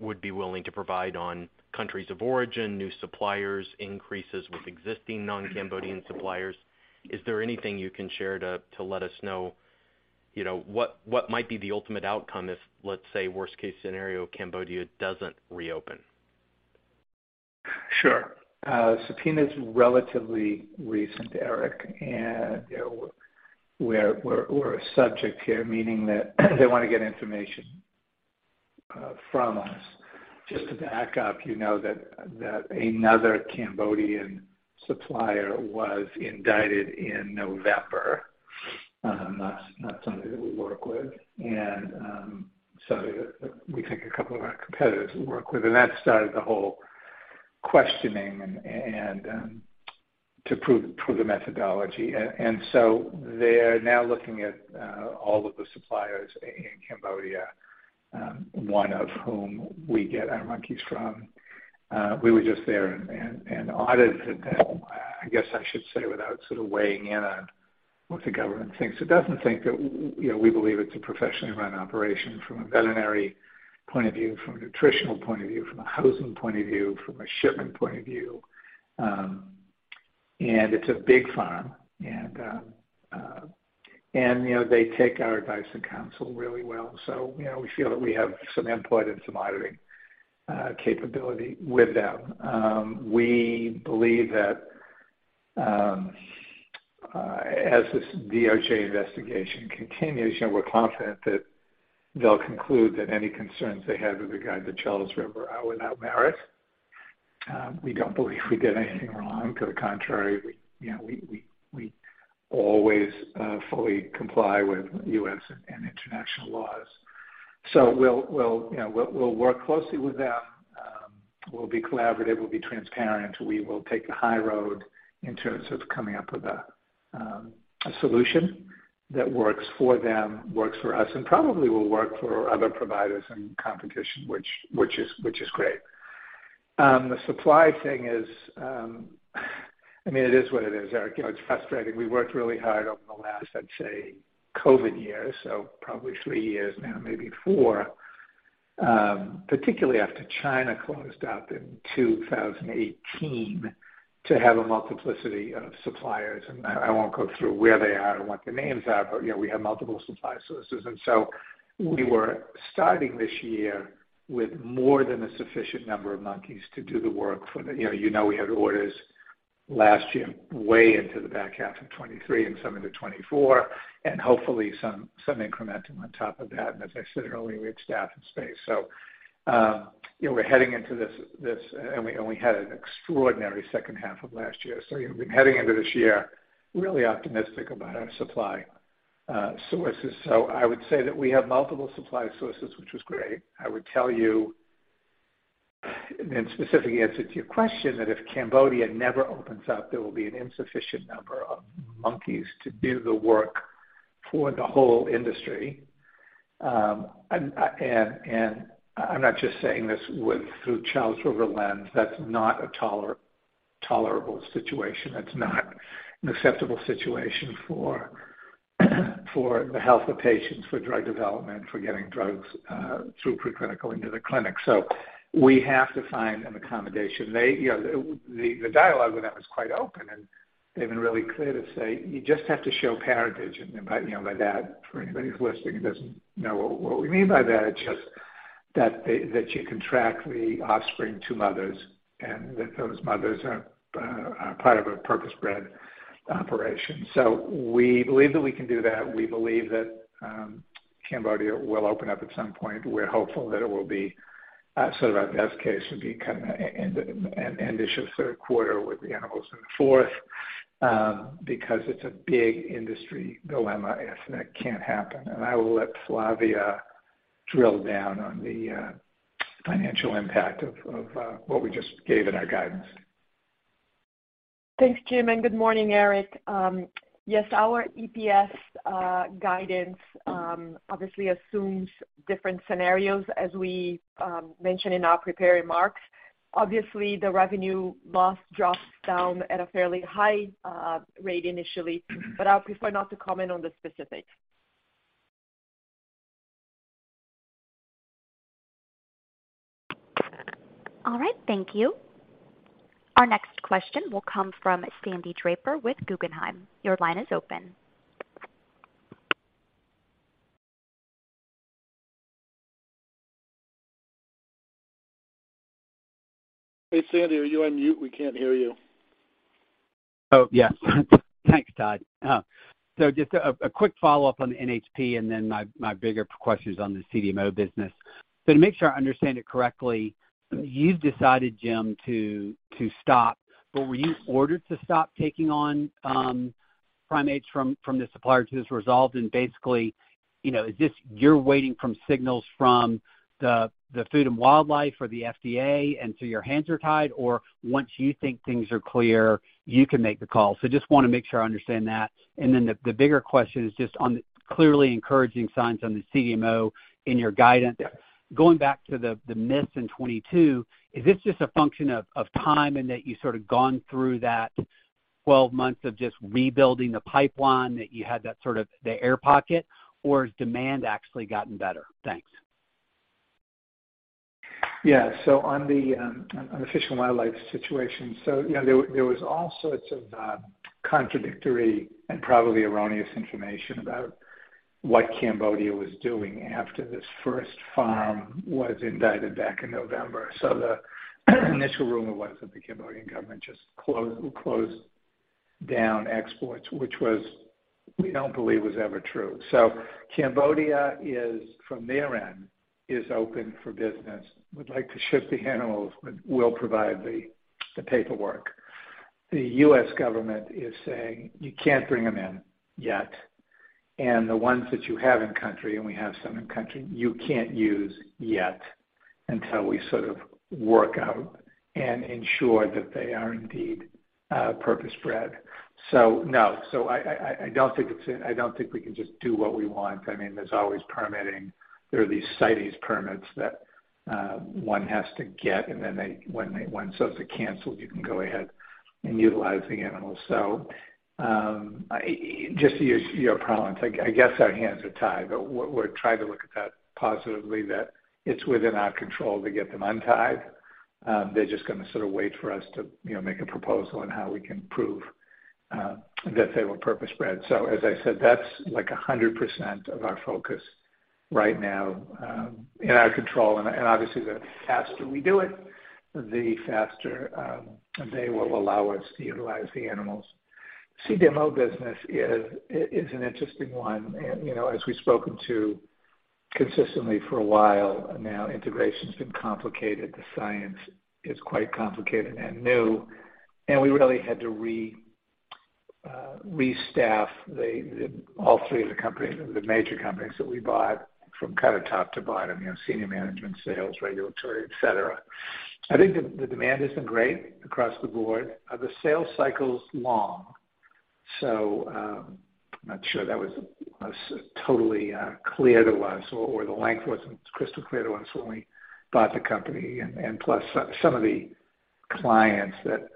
would be willing to provide on countries of origin, new suppliers, increases with existing non-Cambodian suppliers? Is there anything you can share to let us know, you know, what might be the ultimate outcome if, let's say, worst case scenario, Cambodia doesn't reopen? Sure. Subpoena's relatively recent, Eric, and, you know, we're a subject here, meaning that they wanna get information from us. Just to back up, you know that another Cambodian supplier was indicted in November, not somebody that we work with. We think a couple of our competitors we work with, and that started the whole questioning and to prove the methodology. They're now looking at all of the suppliers in Cambodia, one of whom we get our monkeys from. We were just there and audited them, I guess I should say, without sort of weighing in on what the government thinks. It doesn't think that, you know, we believe it's a professionally run operation from a veterinary point of view, from a nutritional point of view, from a housing point of view, from a shipment point of view. It's a big farm, and, you know, they take our advice and counsel really well. You know, we feel that we have some input and some auditing capability with them. We believe that, as this DOJ investigation continues, you know, we're confident that they'll conclude that any concerns they have with regard to Charles River are without merit. We don't believe we did anything wrong. To the contrary, we, you know, we always fully comply with U.S. and international laws. We'll, you know, we'll work closely with them. We'll be collaborative, we'll be transparent, we will take the high road in terms of coming up with a solution that works for them, works for us, and probably will work for other providers and competition, which is great. The supply thing is, I mean, it is what it is, Eric. You know, it's frustrating. We worked really hard over the last, I'd say, COVID years, so probably 3 years now, maybe 4, particularly after China closed up in 2018 to have a multiplicity of suppliers, and I won't go through where they are and what their names are, but you know, we have multiple supply sources. We were starting this year with more than a sufficient number of monkeys to do the work for the... You know, we had orders last year way into the back half of 2023 and some into 2024, and hopefully some incrementing on top of that. As I said earlier, we had staff and space. You know, we're heading into this, and we had an extraordinary second half of last year. You know, we're heading into this year really optimistic about our supply sources. I would say that we have multiple supply sources, which was great. I would tell you, in specific answer to your question, that if Cambodia never opens up, there will be an insufficient number of monkeys to do the work for the whole industry. And I'm not just saying this with, through Charles River lens, that's not a tolerable situation. That's not an acceptable situation for the health of patients, for drug development, for getting drugs, through preclinical into the clinic. We have to find an accommodation. They, you know, the dialogue with them is quite open, and they've been really clear to say, "You just have to show parentage." By, you know, by that, for anybody who's listening and doesn't know what we mean by that, it's just that you can track the offspring to mothers and that those mothers are part of a purpose-bred operation. We believe that we can do that. We believe that Cambodia will open up at some point. We're hopeful that it will be, sort of our best case would be kind of end-ish of third quarter with the animals in the fourth, because it's a big industry dilemma if that can't happen. I will let Flavia drill down on the financial impact of what we just gave in our guidance. Thanks, Jim, and good morning, Eric. Yes, our EPS guidance obviously assumes different scenarios as we mentioned in our prepared remarks. Obviously, the revenue loss drops down at a fairly high rate initially, but I'll prefer not to comment on the specifics. All right, thank you. Our next question will come from Sandy Draper with Guggenheim. Your line is open. Hey, Sandy, are you on mute? We can't hear you. Yes. Thanks, Todd. Just a quick follow-up on NHP and then my bigger question is on the CDMO business. To make sure I understand it correctly, you've decided, Jim, to stop, but were you ordered to stop taking on primates from the supplier till this resolved? Basically, you know, is this you're waiting from signals from the Fish and Wildlife Service or the FDA, and so your hands are tied? Once you think things are clear, you can make the call. Just wanna make sure I understand that. Then the bigger question is just on clearly encouraging signs on the CDMO in your guidance. Going back to the miss in 2022, is this just a function of time and that you sort of gone through that 12 months of just rebuilding the pipeline that you had that sort of the air pocket, or has demand actually gotten better? Thanks. Yeah. On the Fish and Wildlife situation, you know, there was all sorts of contradictory and probably erroneous information about what Cambodia was doing after this first farm was indicted back in November. The initial rumor was that the Cambodian government just closed down exports, which was, we don't believe was ever true. Cambodia is, from their end, is open for business. We'd like to ship the animals but we'll provide the paperwork. The U.S. government is saying, "You can't bring them in yet. And the ones that you have in country, and we have some in country, you can't use yet until we sort of work out and ensure that they are indeed purpose-bred." No. I don't think we can just do what we want. I mean, there's always permitting. There are these CITES permits that one has to get, and then, once those are canceled, you can go ahead and utilize the animals. Just to use your prominence, I guess our hands are tied, but we're trying to look at that positively that it's within our control to get them untied. They're just gonna sort of wait for us to, you know, make a proposal on how we can prove that they were purpose-bred. As I said, that's like 100% of our focus right now, in our control. And obviously, the faster we do it, the faster they will allow us to utilize the animals. CDMO business is an interesting one. You know, as we've spoken to consistently for a while now, integration's been complicated. The science is quite complicated and new, we really had to restaff the all three of the companies, the major companies that we bought from kinda top to bottom, you know, senior management, sales, regulatory, et cetera. I think the demand has been great across the board. The sales cycle's long, I'm not sure that was totally clear to us or the length wasn't crystal clear to us when we bought the company. Plus some of the clients that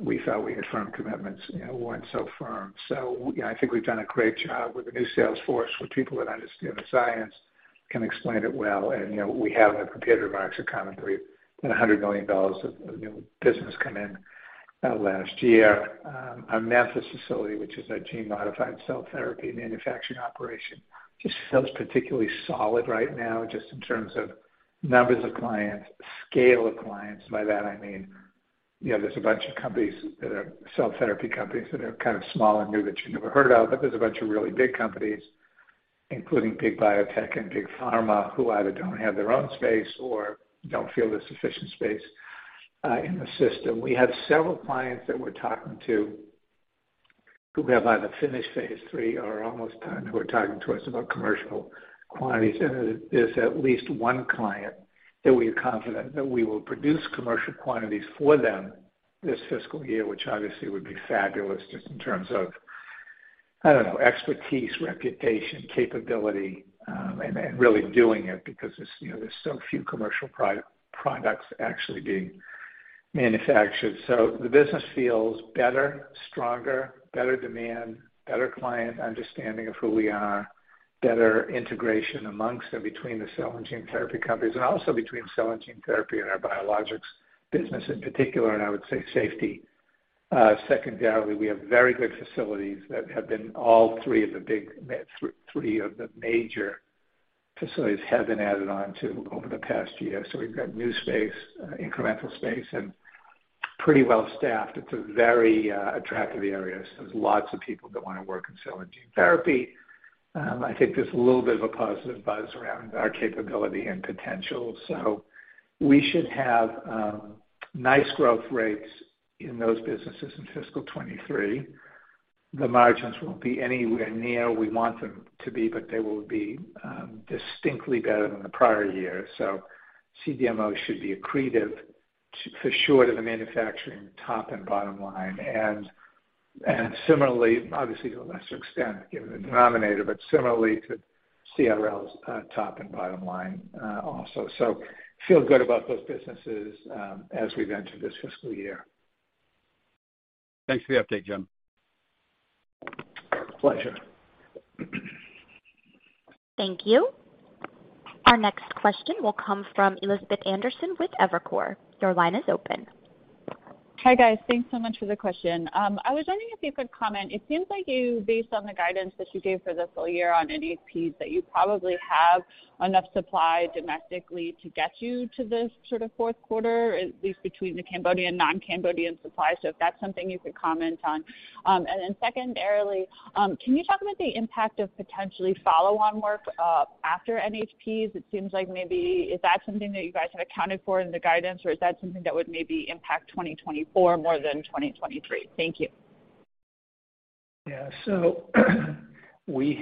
we felt we had firm commitments, you know, weren't so firm. You know, I think we've done a great job with the new sales force, with people that understand the science, can explain it well. You know, we have in the period of our commentary, been $100 million of new business come in last year. Our Memphis facility, which is our gene-modified cell therapy manufacturing operation, just feels particularly solid right now just in terms of numbers of clients, scale of clients. By that I mean, you know, there's a bunch of companies that are cell therapy companies that are kind of small and new that you never heard of, but there's a bunch of really big companies, including big biotech and big pharma, who either don't have their own space or don't feel there's sufficient space in the system. We have several clients that we're talking to who have either finished phase 3 or are almost done who are talking to us about commercial quantities. There, there's at least one client that we are confident that we will produce commercial quantities for them this fiscal year, which obviously would be fabulous just in terms of, I don't know, expertise, reputation, capability, and really doing it because there's, you know, there's so few commercial products actually being manufactured. The business feels better, stronger, better demand, better client understanding of who we are, better integration amongst and between the cell and gene therapy companies, and also between cell and gene therapy and our biologics business in particular, and I would say Safety. Secondarily, we have very good facilities that have been all three of the major facilities have been added on to over the past year. We've got new space, incremental space and pretty well staffed. It's a very attractive area. There's lots of people that wanna work in cell and gene therapy. I think there's a little bit of a positive buzz around our capability and potential. We should have nice growth rates in those businesses in fiscal 2023. The margins won't be anywhere near we want them to be, but they will be distinctly better than the prior year. CDMO should be accretive for sure to the manufacturing top and bottom line. Similarly, obviously to a lesser extent, given the denominator, but similarly to CRL's top and bottom line also. Feel good about those businesses as we've entered this fiscal year. Thanks for the update, Jim. Pleasure. Thank you. Our next question will come from Elizabeth Anderson with Evercore. Your line is open. Hi guys. Thanks so much for the question. I was wondering if you could comment. It seems like you, based on the guidance that you gave for this full year on NHPs, that you probably have enough supply domestically to get you to this sort of fourth quarter, at least between the Cambodian, non-Cambodian supply. If that's something you could comment on. Secondarily, can you talk about the impact of potentially follow-on work after NHPs? It seems like maybe is that something that you guys have accounted for in the guidance, or is that something that would maybe impact 2024 more than 2023? Thank you. Yeah. We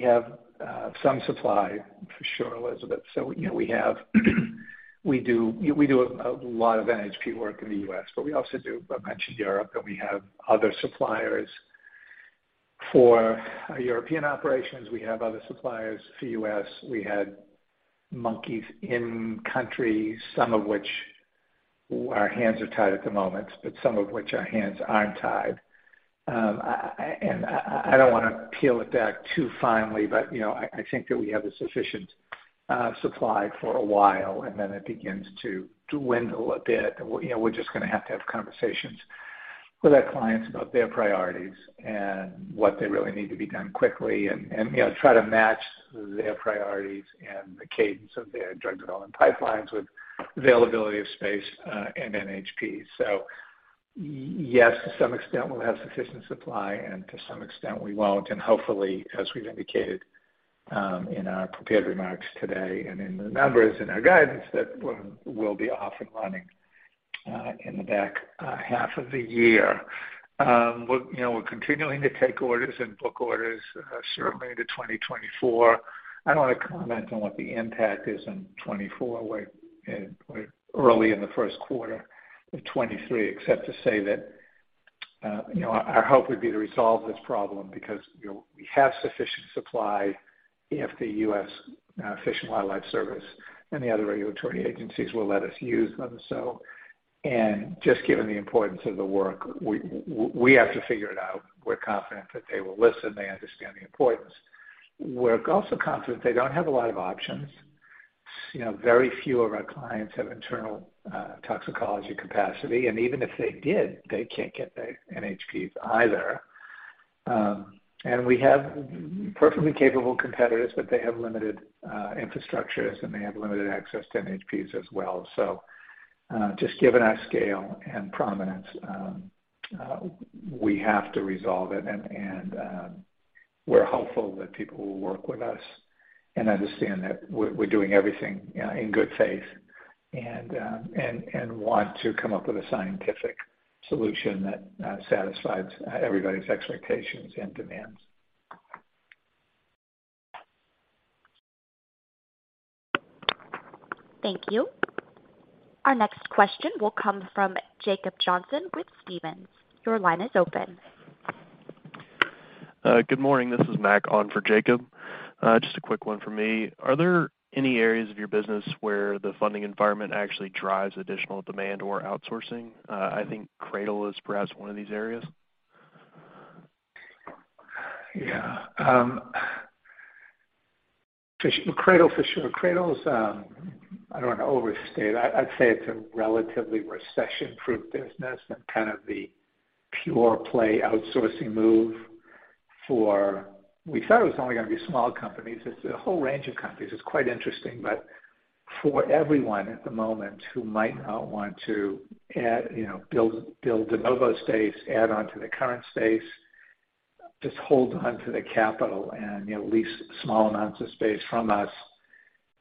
have some supply for sure, Elizabeth. You know, we have, we do a lot of NHP work in the U.S., but we also do a bunch in Europe, and we have other suppliers for our European operations. We have other suppliers for U.S. We had monkeys in country, some of which our hands are tied at the moment, but some of which our hands aren't tied. And I don't wanna peel it back too finely, but, you know, I think that we have a sufficient supply for a while, and then it begins to dwindle a bit. You know, we're just gonna have to have conversations with our clients about their priorities and what they really need to be done quickly and, you know, try to match their priorities and the cadence of their drug development pipelines with availability of space and NHPs. So yes, to some extent, we'll have sufficient supply, and to some extent we won't. And hopefully, as we've indicated, in our prepared remarks today and in the numbers in our guidance, that we'll be off and running in the back half of the year. We're, you know, we're continuing to take orders and book orders, certainly into 2024. I don't wanna comment on what the impact is in 2024. We're early in the first quarter of 2023 except to say that, you know, our hope would be to resolve this problem because, you know, we have sufficient supply if the U.S. Fish and Wildlife Service and the other regulatory agencies will let us use them. Just given the importance of the work, we have to figure it out. We're confident that they will listen. They understand the importance. We're also confident they don't have a lot of options. You know, very few of our clients have internal toxicology capacity, and even if they did, they can't get the NHPs either. We have perfectly capable competitors, but they have limited infrastructures, and they have limited access to NHPs as well. Just given our scale and prominence, we have to resolve it. We're hopeful that people will work with us and understand that we're doing everything, you know, in good faith and want to come up with a scientific solution that satisfies everybody's expectations and demands. Thank you. Our next question will come from Jacob Johnson with Stephens. Your line is open. Good morning. This is Max on for Jacob. Just a quick one for me. Are there any areas of your business where the funding environment actually drives additional demand or outsourcing? I think CRADL is perhaps one of these areas. Yeah. CRADL for sure. CRADL is, I don't wanna overstate. I'd say it's a relatively recession-proof business and kind of the pure play outsourcing move for. We thought it was only gonna be small companies. It's a whole range of companies. It's quite interesting. For everyone at the moment who might not want to add, you know, build de novo space, add onto their current space, just hold onto their capital and, you know, lease small amounts of space from us,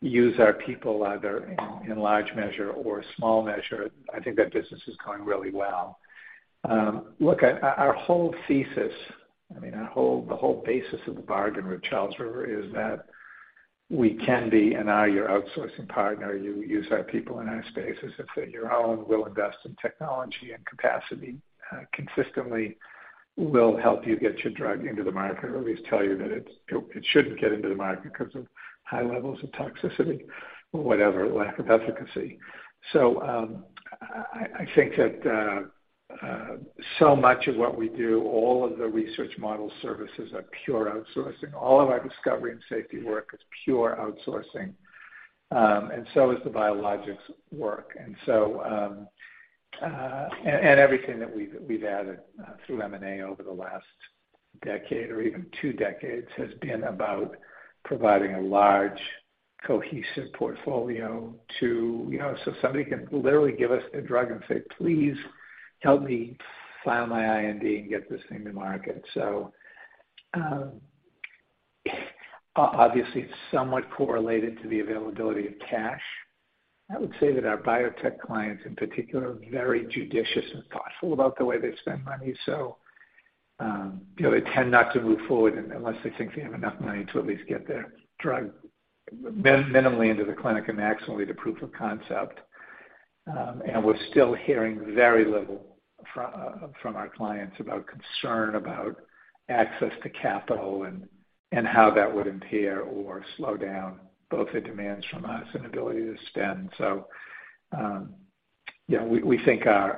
use our people either in large measure or small measure, I think that business is going really well. Look, our whole thesis, I mean, the whole basis of the bargain with Charles River is that we can be, and are, your outsourcing partner. You use our people in our spaces as if they're your own. We'll invest in technology and capacity, consistently. We'll help you get your drug into the market, or at least tell you that it shouldn't get into the market 'cause of high levels of toxicity or whatever, lack of efficacy. I think that so much of what we do, all of the Research Model Services are pure outsourcing. All of our Discovery and Safety work is pure outsourcing, and so is the biologics work. Everything that we've added through M&A over the last decade or even two decades has been about providing a large cohesive portfolio to, you know, so somebody can literally give us a drug and say, "Please help me file my IND and get this thing to market." Obviously, it's somewhat correlated to the availability of cash. I would say that our biotech clients in particular are very judicious and thoughtful about the way they spend money. you know, they tend not to move forward unless they think they have enough money to at least get their drug minimally into the clinic and maximally to proof of concept. We're still hearing very little from our clients about concern about access to capital and how that would impair or slow down both the demands from us and ability to spend. Yeah, we think our,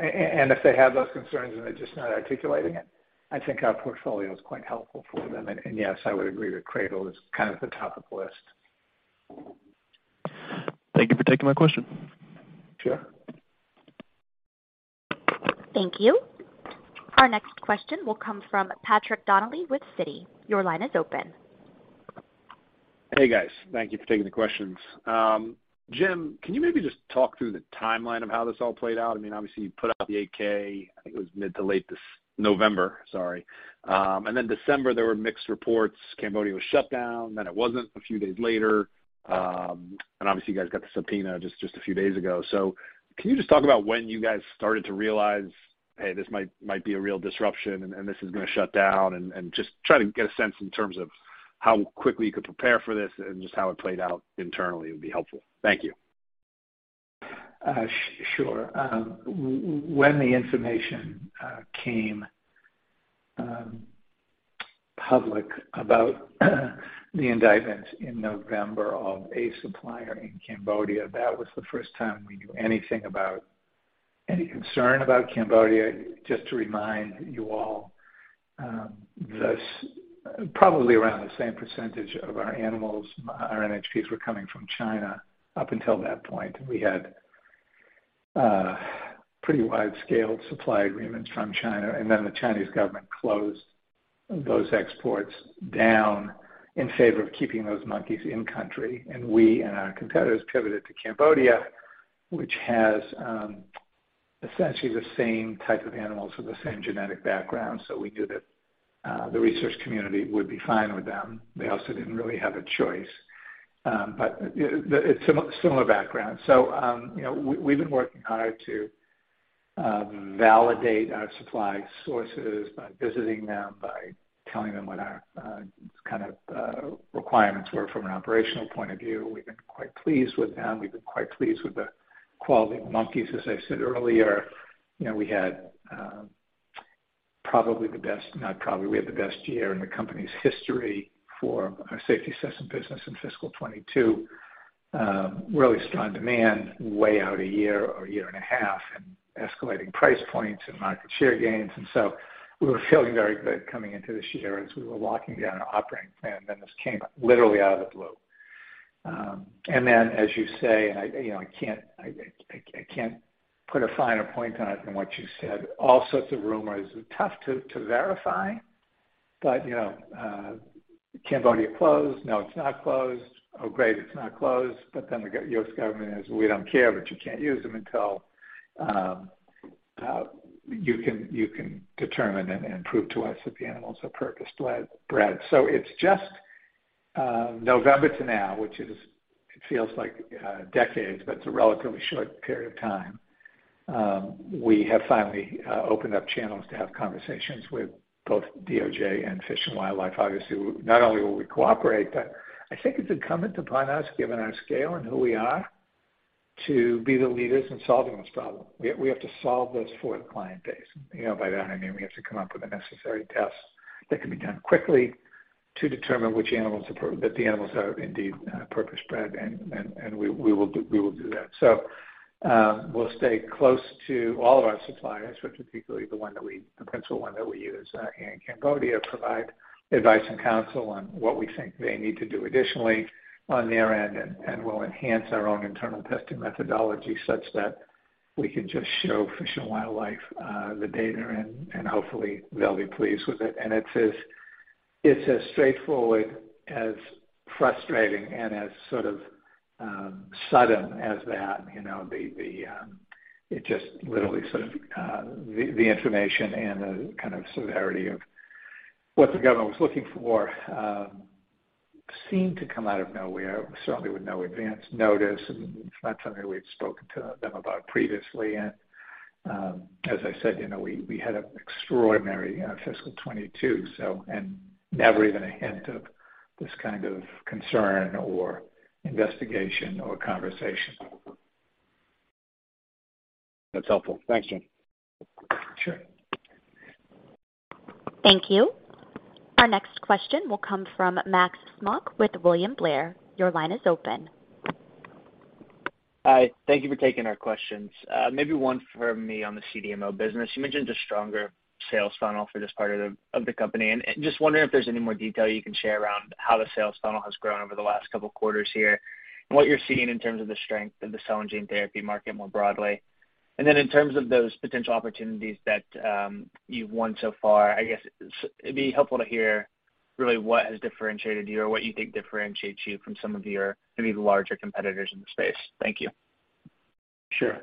and if they have those concerns and they're just not articulating it, I think our portfolio is quite helpful for them. Yes, I would agree that CRADL is kind of the top of the list. Thank you for taking my question. Sure. Thank you. Our next question will come from Patrick Donnelly with Citi. Your line is open. Hey, guys. Thank you for taking the questions. Jim, can you maybe just talk through the timeline of how this all played out? I mean, obviously you put out the 8-K, I think it was mid to late this November, sorry. December there were mixed reports Cambodia was shut down, then it wasn't a few days later. Obviously you guys got the subpoena just a few days ago. Can you just talk about when you guys started to realize, hey, this might be a real disruption, and this is gonna shut down? Just try to get a sense in terms of how quickly you could prepare for this and just how it played out internally would be helpful. Thank you. Sure. When the information came public about the indictment in November of a supplier in Cambodia, that was the first time we knew anything about any concern about Cambodia. Just to remind you all, probably around the same percentage of our animals, our NHPs were coming from China up until that point. We had pretty wide-scale supply agreements from China, then the Chinese government closed those exports down in favor of keeping those monkeys in country. We and our competitors pivoted to Cambodia, which has essentially the same type of animals with the same genetic background. We knew that the research community would be fine with them. They also didn't really have a choice. It's similar background. You know, we've been working hard to validate our supply sources by visiting them, by telling them what our kind of requirements were from an operational point of view. We've been quite pleased with them. We've been quite pleased with the quality of the monkeys. As I said earlier, you know, we had probably the best, not probably, we had the best year in the company's history for our Safety Assessment business in fiscal 2022. Really strong demand way out a year or year and a half, and escalating price points and market share gains. We were feeling very good coming into this year as we were locking down our operating plan, then this came literally out of the blue. As you say, and I, you know, I can't put a finer point on it than what you said. All sorts of rumors, tough to verify, you know, Cambodia closed. No, it's not closed. Oh, great, it's not closed. The U.S. government is, "We don't care, but you can't use them until you can determine and prove to us that the animals are purpose-bred." It's just November to now, which is, it feels like decades, but it's a relatively short period of time. We have finally opened up channels to have conversations with both DOJ and Fish and Wildlife. Obviously, not only will we cooperate, but I think it's incumbent upon us, given our scale and who we are, to be the leaders in solving this problem. We have to solve this for the client base. You know, by that I mean we have to come up with the necessary tests that can be done quickly to determine which animals are that the animals are indeed purpose-bred, and we will do that. We'll stay close to all of our suppliers, but particularly the one that we, the principal one that we use, in Cambodia, provide advice and counsel on what we think they need to do additionally on their end, and we'll enhance our own internal testing methodology such that we can just show Fish and Wildlife, the data and hopefully they'll be pleased with it. It's as, it's as straightforward, as frustrating, and as sort of, sudden as that, you know, the information and the kind of severity of what the government was looking for, seemed to come out of nowhere, certainly with no advance notice. It's not something we had spoken to them about previously. As I said, you know, we had an extraordinary fiscal 22, and never even a hint of this kind of concern or investigation or conversation. That's helpful. Thanks, Jim. Sure. Thank you. Our next question will come from Max Smock with William Blair. Your line is open. Hi. Thank you for taking our questions. Maybe one for me on the CDMO business. You mentioned a stronger sales funnel for this part of the company. Just wondering if there's any more detail you can share around how the sales funnel has grown over the last couple of quarters here and what you're seeing in terms of the strength of the cell and gene therapy market more broadly. Then in terms of those potential opportunities that you've won so far, I guess it'd be helpful to hear really what has differentiated you or what you think differentiates you from some of your maybe larger competitors in the space. Thank you. Sure.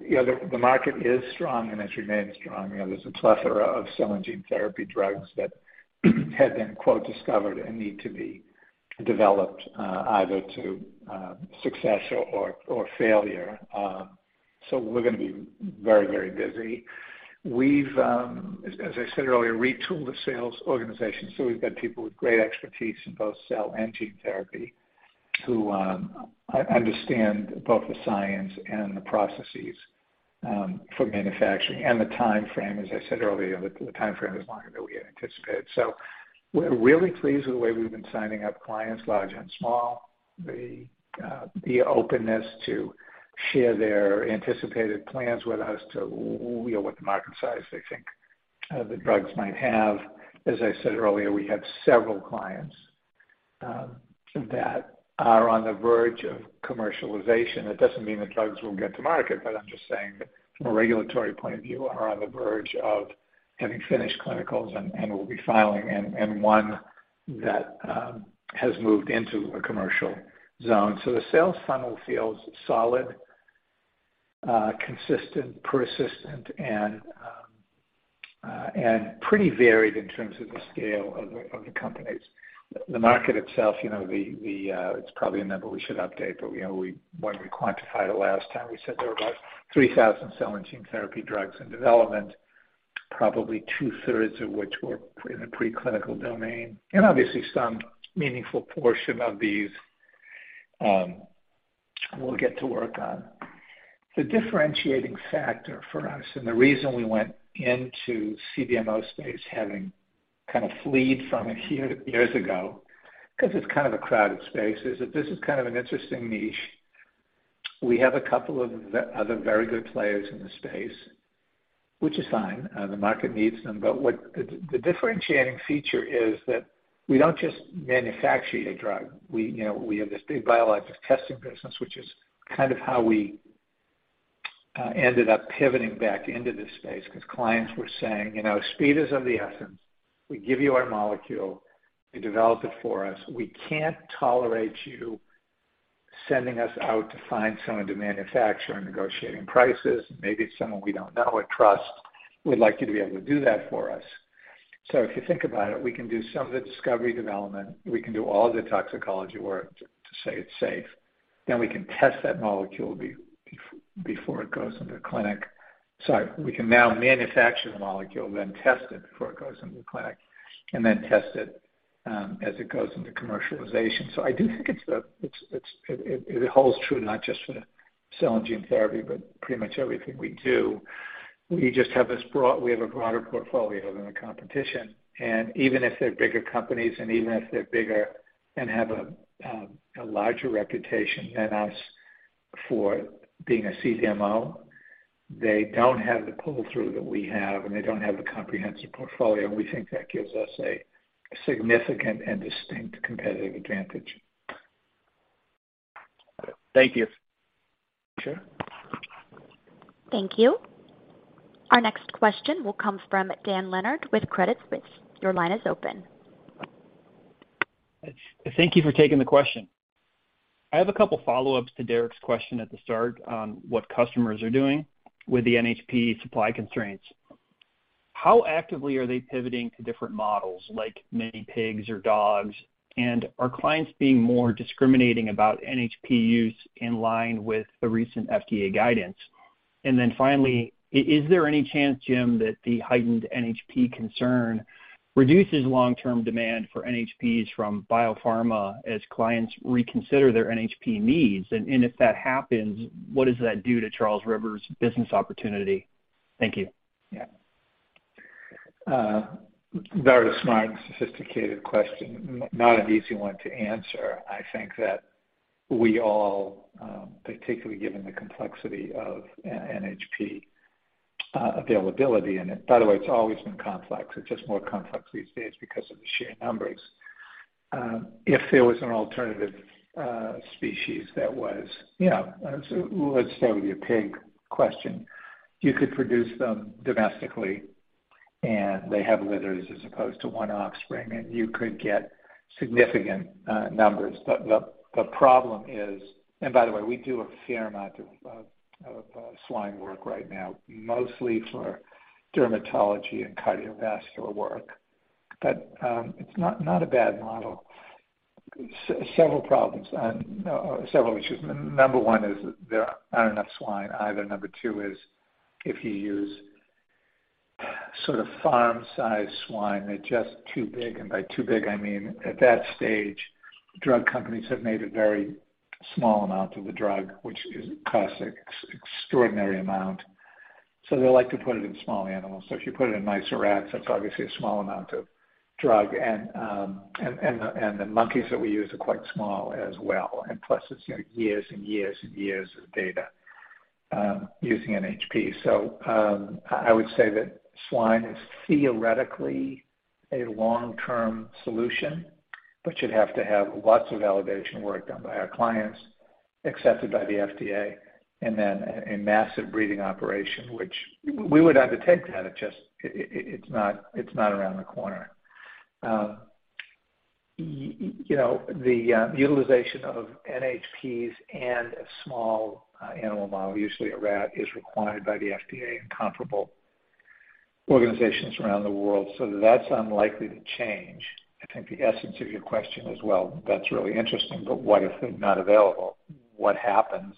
You know, the market is strong, and as you know, it's strong. You know, there's a plethora of cell and gene therapy drugs that have been, quote, "discovered" and need to be developed, either to success or failure. We're gonna be very, very busy. We've, as I said earlier, retooled the sales organization. We've got people with great expertise in both cell and gene therapy who understand both the science and the processes for manufacturing and the timeframe. As I said earlier, the timeframe is longer than we had anticipated. We're really pleased with the way we've been signing up clients large and small. The openness to share their anticipated plans with us to we know what the market size they think, the drugs might have. As I said earlier, we have several clients, that are on the verge of commercialization. That doesn't mean the drugs will get to market, but I'm just saying that from a regulatory point of view, are on the verge of having finished clinicals and will be filing and one that has moved into a commercial zone. The sales funnel feels solid, consistent, persistent, and pretty varied in terms of the scale of the companies. The market itself, you know, it's probably a number we should update, but, you know, when we quantified it last time, we said there were about 3,000 cell and gene therapy drugs in development, probably two-thirds of which were in a preclinical domain. Obviously some meaningful portion of these, we'll get to work on. The differentiating factor for us and the reason we went into CDMO space having kind of fled from it a few years ago, 'cause it's kind of a crowded space, is that this is kind of an interesting niche. We have a couple of other very good players in the space, which is fine, the market needs them. What the differentiating feature is that we don't just manufacture a drug. We, you know, we have this big Biologics Testing business, which is kind of how we ended up pivoting back into this space because clients were saying, "You know, speed is of the essence. We give you our molecule, you develop it for us. We can't tolerate you sending us out to find someone to manufacture and negotiating prices. Maybe it's someone we don't know or trust. We'd like you to be able to do that for us." If you think about it, we can do some of the discovery development, we can do all the toxicology work to say it's safe. We can test that molecule before it goes into the clinic. Sorry, we can now manufacture the molecule, test it before it goes into the clinic, test it as it goes into commercialization. I do think it's the, it holds true not just for the cell and gene therapy, but pretty much everything we do. We just have this broader portfolio than the competition. Even if they're bigger companies, and even if they're bigger and have a larger reputation than us for being a CDMO, they don't have the pull-through that we have, and they don't have the comprehensive portfolio. We think that gives us a significant and distinct competitive advantage. Thank you. Sure. Thank you. Our next question will come from Dan Leonard with Credit Suisse. Your line is open. Thank you for taking the question. I have a couple of follow-ups to Derik's question at the start on what customers are doing with the NHP supply constraints. How actively are they pivoting to different models like mini pigs or dogs? Are clients being more discriminating about NHP use in line with the recent FDA guidance? Then finally, is there any chance, Jim, that the heightened NHP concern reduces long-term demand for NHPs from biopharma as clients reconsider their NHP needs? If that happens, what does that do to Charles River's business opportunity? Thank you. Yeah. Very smart and sophisticated question. Not an easy one to answer. I think that we all, particularly given the complexity of NHP availability, and by the way, it's always been complex. It's just more complex these days because of the sheer numbers. If there was an alternative species that was, you know, so let's start with your pig question. You could produce them domestically, and they have litters as opposed to one offspring, and you could get significant numbers. The problem is. By the way, we do a fair amount of swine work right now, mostly for dermatology and cardiovascular work. It's not a bad model. Several problems and several issues. Number one is there are not enough swine either. Number two is if you use sort of farm-sized swine, they're just too big. By too big, I mean, at that stage, drug companies have made a very small amount of the drug, which costs an extraordinary amount. They like to put it in small animals. If you put it in mice or rats, that's obviously a small amount of drug. And the monkeys that we use are quite small as well. Plus, it's, you know, years and years and years of data, using NHP. I would say that swine is theoretically a long-term solution, but you'd have to have lots of validation work done by our clients, accepted by the FDA, and then a massive breeding operation, which we would undertake that. It just, it's not around the corner. You know, the utilization of NHPs and a small animal model, usually a rat, is required by the FDA and comparable organizations around the world. That's unlikely to change. I think the essence of your question as well, that's really interesting, but what if they're not available? What happens?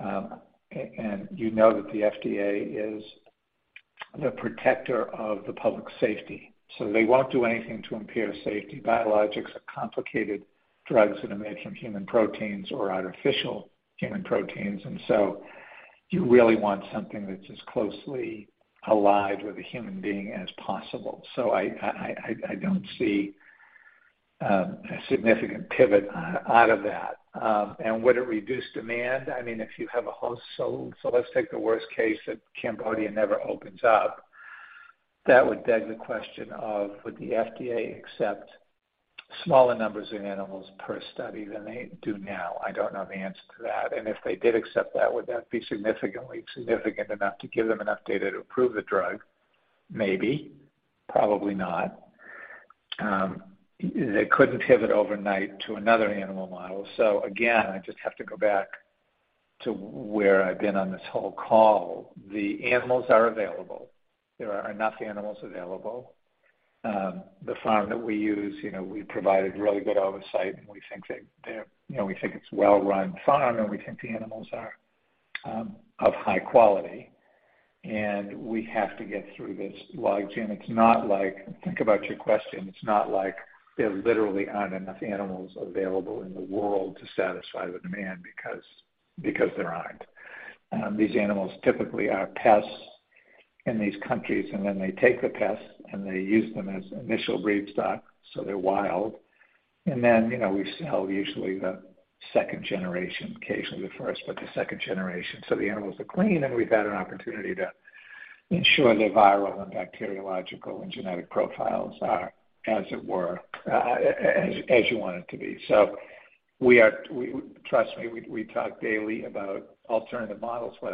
You know that the FDA is the protector of the public safety, so they won't do anything to impair safety. Biologics are complicated drugs that are made from human proteins or artificial human proteins. You really want something that's as closely allied with a human being as possible. I, I don't see a significant pivot out of that. Would it reduce demand? I mean, if you have a host sold. Let's take the worst case that Cambodia never opens up. That would beg the question of, would the FDA accept smaller numbers of animals per study than they do now? I don't know the answer to that. If they did accept that, would that be significant enough to give them enough data to approve the drug? Maybe. Probably not. They couldn't pivot overnight to another animal model. Again, I just have to go back to where I've been on this whole call. The animals are available. There are enough animals available. The farm that we use, you know, we provide a really good oversight, and we think that they're, you know, we think it's a well-run farm, and we think the animals are of high quality, and we have to get through this logjam. It's not like, think about your question. It's not like there literally aren't enough animals available in the world to satisfy the demand because there aren't. These animals typically are pests in these countries, and then they take the pests, and they use them as initial breed stock, so they're wild. Then, you know, we sell usually the second generation, occasionally the first, but the second generation. The animals are clean, and we've had an opportunity to ensure their viral and bacteriological and genetic profiles are, as it were, as you want it to be. Trust me, we talk daily about alternative models, what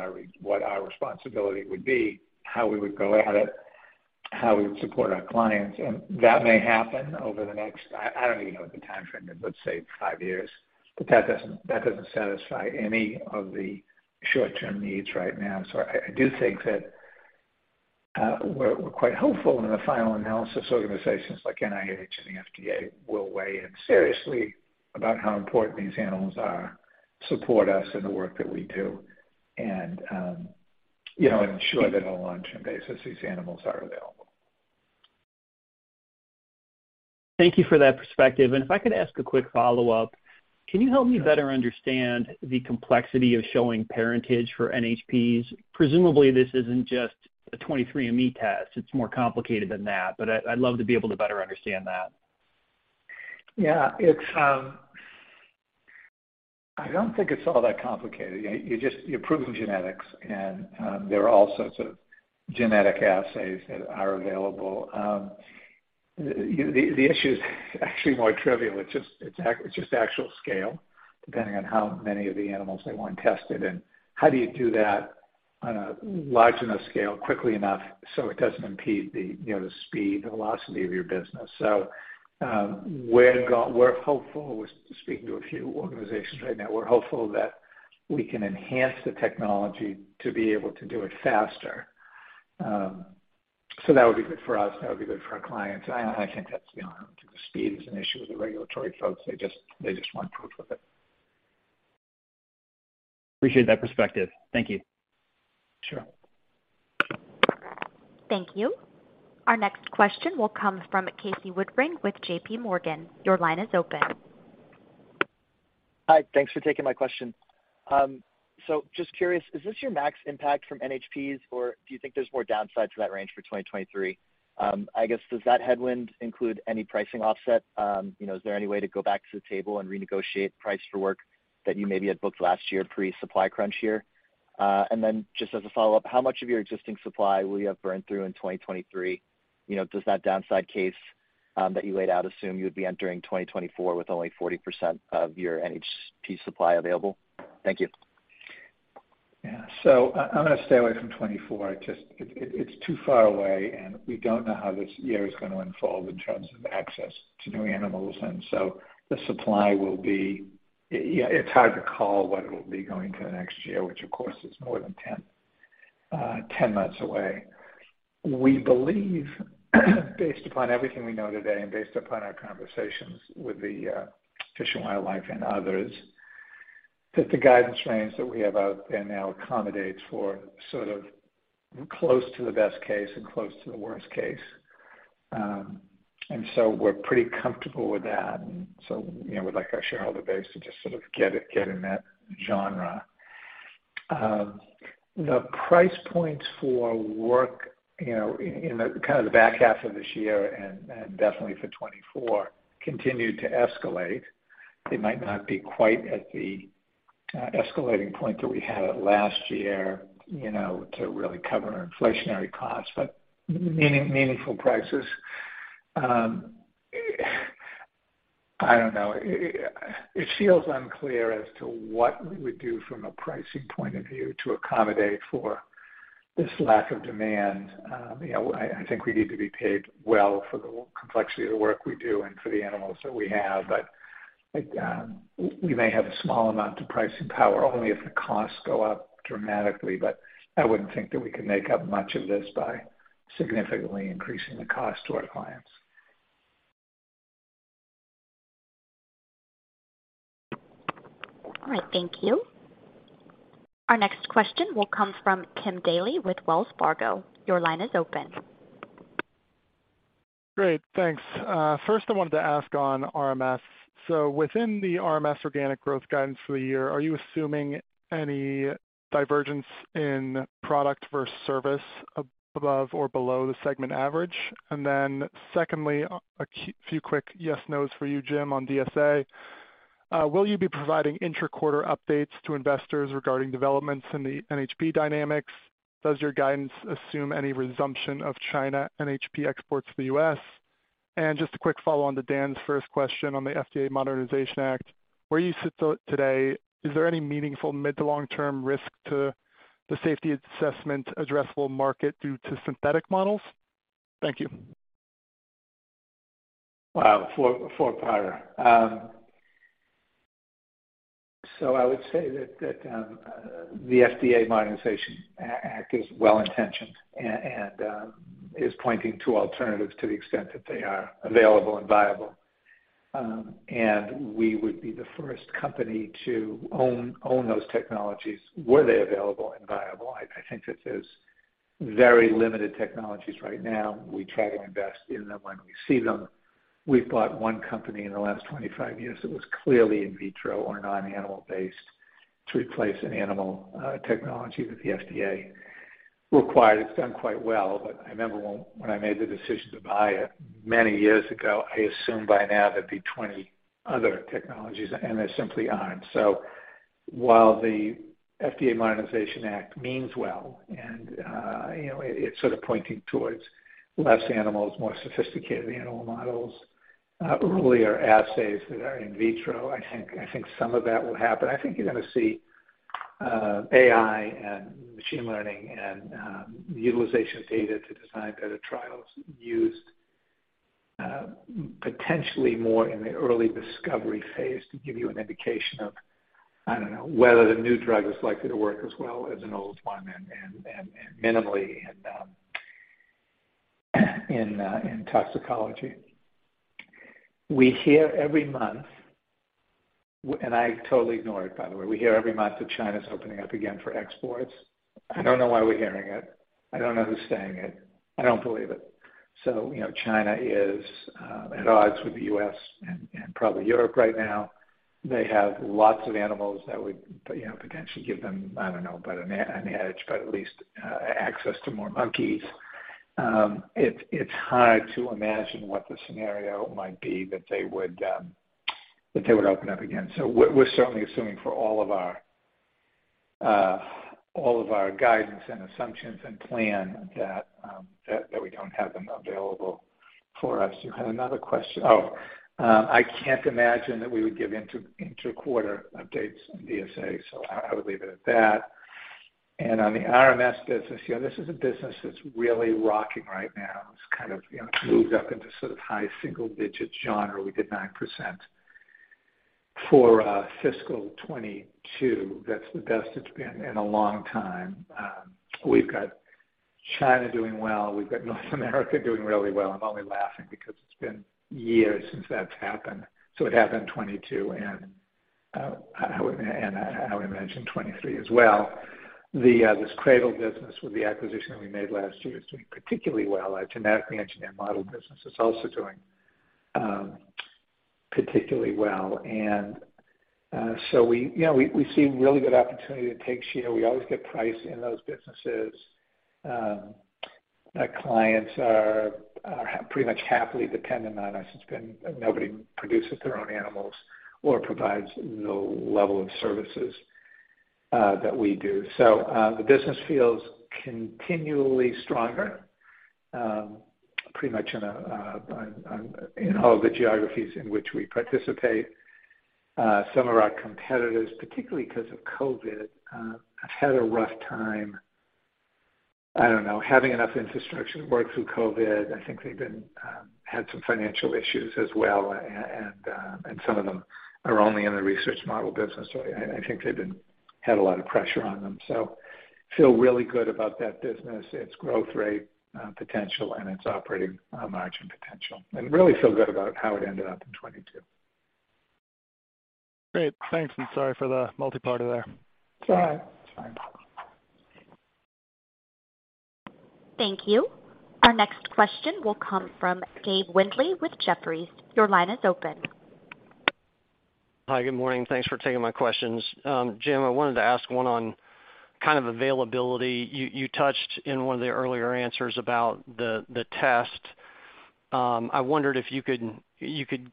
our responsibility would be, how we would go at it, how we would support our clients. That may happen over the next, I don't even know what the timeframe is, let's say five years. That doesn't satisfy any of the short-term needs right now. I do think that we're quite hopeful in the final analysis, organizations like NIH and the FDA will weigh in seriously about how important these animals are, support us in the work that we do, and, you know, ensure that on a long-term basis, these animals are available. Thank you for that perspective. If I could ask a quick follow-up. Sure. Can you help me better understand the complexity of showing parentage for NHPs? Presumably, this isn't just a 23andMe test, it's more complicated than that, but I'd love to be able to better understand that. Yeah. It's, I don't think it's all that complicated. You're just, you're proving genetics, and there are all sorts of genetic assays that are available. The issue is actually more trivial. It's just, it's just actual scale, depending on how many of the animals they want tested, and how do you do that on a large enough scale quickly enough so it doesn't impede the, you know, the speed, the velocity of your business. We're hopeful. We're speaking to a few organizations right now. We're hopeful that we can enhance the technology to be able to do it faster. That would be good for us, and that would be good for our clients. I think that's beyond our control. Speed is an issue with the regulatory folks. They just want proof of it. Appreciate that perspective. Thank you. Sure. Thank you. Our next question will come from Casey Woodring with J.P. Morgan. Your line is open. Hi. Thanks for taking my question. Just curious, is this your max impact from NHPs, or do you think there's more downside to that range for 2023? I guess, does that headwind include any pricing offset? You know, is there any way to go back to the table and renegotiate price for work that you maybe had booked last year pre-supply crunch year? Just as a follow-up, how much of your existing supply will you have burned through in 2023? You know, does that downside case, that you laid out assume you would be entering 2024 with only 40% of your NHP supply available? Thank you. I'm gonna stay away from 2024. Just it's too far away, and we don't know how this year is gonna unfold in terms of access to new animals. The supply will be. Yeah, it's hard to call what it'll be going to next year, which of course is more than 10 months away. We believe, based upon everything we know today and based upon our conversations with the Fish and Wildlife and others, that the guidance range that we have out there now accommodates for sort of close to the best case and close to the worst case. We're pretty comfortable with that. you know, we'd like our shareholder base to just sort of get in that genre. The price points for work, you know, in the kind of the back half of this year and definitely for 2024 continue to escalate. They might not be quite at the escalating point that we had it last year, you know, to really cover our inflationary costs, but meaningful prices. I don't know. It feels unclear as to what we would do from a pricing point of view to accommodate for this lack of demand. You know, I think we need to be paid well for the complexity of the work we do and for the animals that we have. We may have a small amount of pricing power only if the costs go up dramatically. I wouldn't think that we could make up much of this by significantly increasing the cost to our clients. All right, thank you. Our next question will come from Tim Daley with Wells Fargo. Your line is open. Great, thanks. First I wanted to ask on RMS. Within the RMS organic growth guidance for the year, are you assuming any divergence in product versus service above or below the segment average? Secondly, a few quick yes nos for you, Jim, on DSA. Will you be providing inter-quarter updates to investors regarding developments in the NHP dynamics? Does your guidance assume any resumption of China NHP exports to the U.S.? Just a quick follow-on to Dan's first question on the FDA Modernization Act. Where you sit today, is there any meaningful mid to long term risk to the Safety Assessment addressable market due to synthetic models? Thank you. Wow. Four parter. I would say that the FDA Modernization Act is well intentioned and is pointing to alternatives to the extent that they are available and viable. We would be the first company to own those technologies were they available and viable. I think that there's very limited technologies right now. We try to invest in them when we see them. We've bought one company in the last 25 years that was clearly in vitro or non-animal based to replace an animal technology that the FDA required. It's done quite well, but I remember when I made the decision to buy it many years ago, I assumed by now there'd be 20 other technologies, and there simply aren't. While the FDA Modernization Act means well, and, you know, it's sort of pointing towards less animals, more sophisticated animal models, earlier assays that are in vitro, I think some of that will happen. I think you're gonna see AI and machine learning and utilization of data to design better trials used, potentially more in the early discovery phase to give you an indication of, I don't know, whether the new drug is likely to work as well as an old one and minimally in toxicology. We hear every month, and I totally ignore it, by the way. We hear every month that China's opening up again for exports. I don't know why we're hearing it. I don't know who's saying it. I don't believe it. You know, China is at odds with the U.S. and probably Europe right now. They have lots of animals that would, you know, potentially give them, I don't know, but an edge, but at least access to more monkeys. It's hard to imagine what the scenario might be that they would open up again. We're certainly assuming for all of our guidance and assumptions and plan that we don't have them available for us. You had another question. I can't imagine that we would give inter-quarter updates on DSA, so I would leave it at that. On the RMS business, you know, this is a business that's really rocking right now. It's kind of, you know, moved up into sort of high single digits. John, or we did 9%. For fiscal 2022, that's the best it's been in a long time. We've got China doing well. We've got North America doing really well. I'm only laughing because it's been years since that's happened. It happened 2022, and I would imagine 2023 as well. The CRADL business with the acquisition that we made last year is doing particularly well. Our genetically engineered model business is also doing particularly well. We, you know, we see really good opportunity to take share. We always get price in those businesses. Our clients are pretty much happily dependent on us. Nobody produces their own animals or provides the level of services that we do. The business feels continually stronger, pretty much in all the geographies in which we participate. Some of our competitors, particularly 'cause of COVID, have had a rough time, I don't know, having enough infrastructure to work through COVID. I think they've been had some financial issues as well. Some of them are only in the research model business, I think they've had a lot of pressure on them. Feel really good about that business, its growth rate, potential, and its operating margin potential. Really feel good about how it ended up in 2022. Great. Thanks, and sorry for the multi-part there. It's all right. It's fine. Thank you. Our next question will come from Dave Windley with Jefferies. Your line is open. Hi, good morning. Thanks for taking my questions. Jim, I wanted to ask one on kind of availability. You touched in one of the earlier answers about the test. I wondered if you could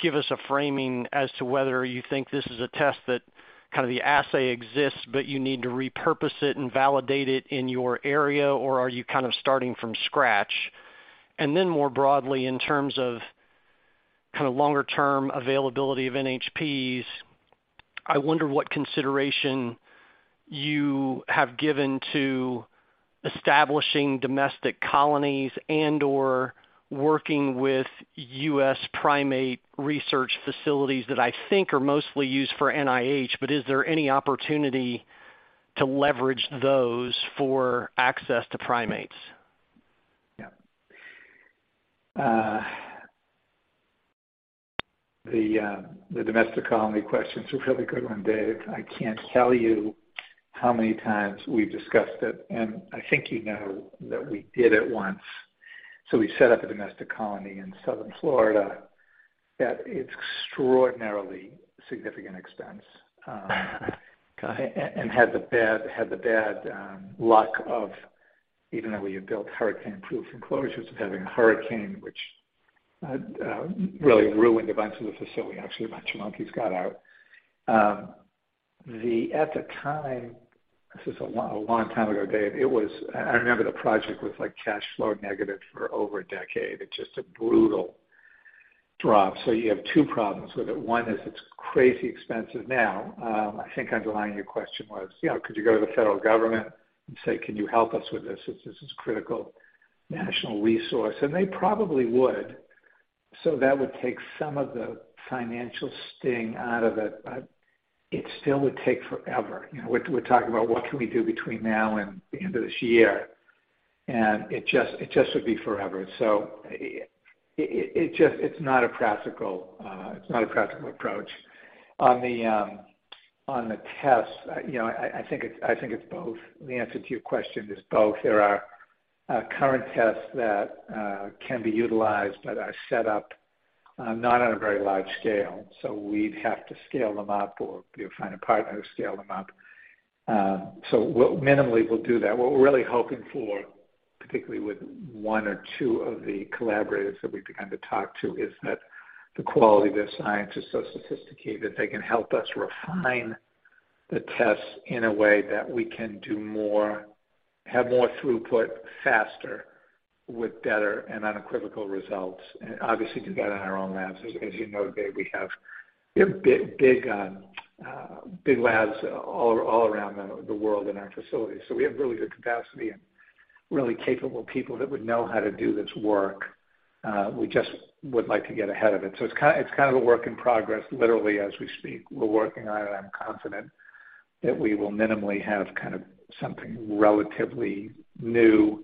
give us a framing as to whether you think this is a test that kind of the assay exists, but you need to repurpose it and validate it in your area, or are you kind of starting from scratch? More broadly, in terms of kind of longer term availability of NHPs, I wonder what consideration you have given to establishing domestic colonies and/or working with U.S. primate research facilities that I think are mostly used for NIH, but is there any opportunity to leverage those for access to primates? Yeah. The domestic colony question's a really good one, Dave. I can't tell you how many times we've discussed it, and I think you know that we did it once. We set up a domestic colony in Southern Florida at extraordinarily significant expense, and had the bad luck of even though we had built hurricane-proof enclosures of having a hurricane which really ruined a bunch of the facility. Actually, a bunch of monkeys got out. At the time, this is a long time ago, Dave, I remember the project was, like, cash flow negative for over a decade. It's just a brutal drop. You have two problems with it. One is it's crazy expensive now. I think underlying your question was, you know, could you go to the federal government and say, "Can you help us with this? This is critical national resource." They probably would, so that would take some of the financial sting out of it, but it still would take forever. You know, we're talking about what can we do between now and the end of this year, and it just would be forever. It just, it's not a practical, it's not a practical approach. On the tests, you know, I think it's both. The answer to your question is both. There are current tests that can be utilized but are set up not on a very large scale, so we'd have to scale them up or, you know, find a partner to scale them up. We'll minimally do that. What we're really hoping for, particularly with one or two of the collaborators that we've begun to talk to, is that the quality of their science is so sophisticated they can help us refine the tests in a way that we can do more, have more throughput faster with better and unequivocal results and obviously do that in our own labs. As you know, Dave, we have big labs all around the world in our facilities. We have really good capacity and really capable people that would know how to do this work. We just would like to get ahead of it. It's kind of a work in progress, literally, as we speak. We're working on it. I'm confident that we will minimally have kind of something relatively new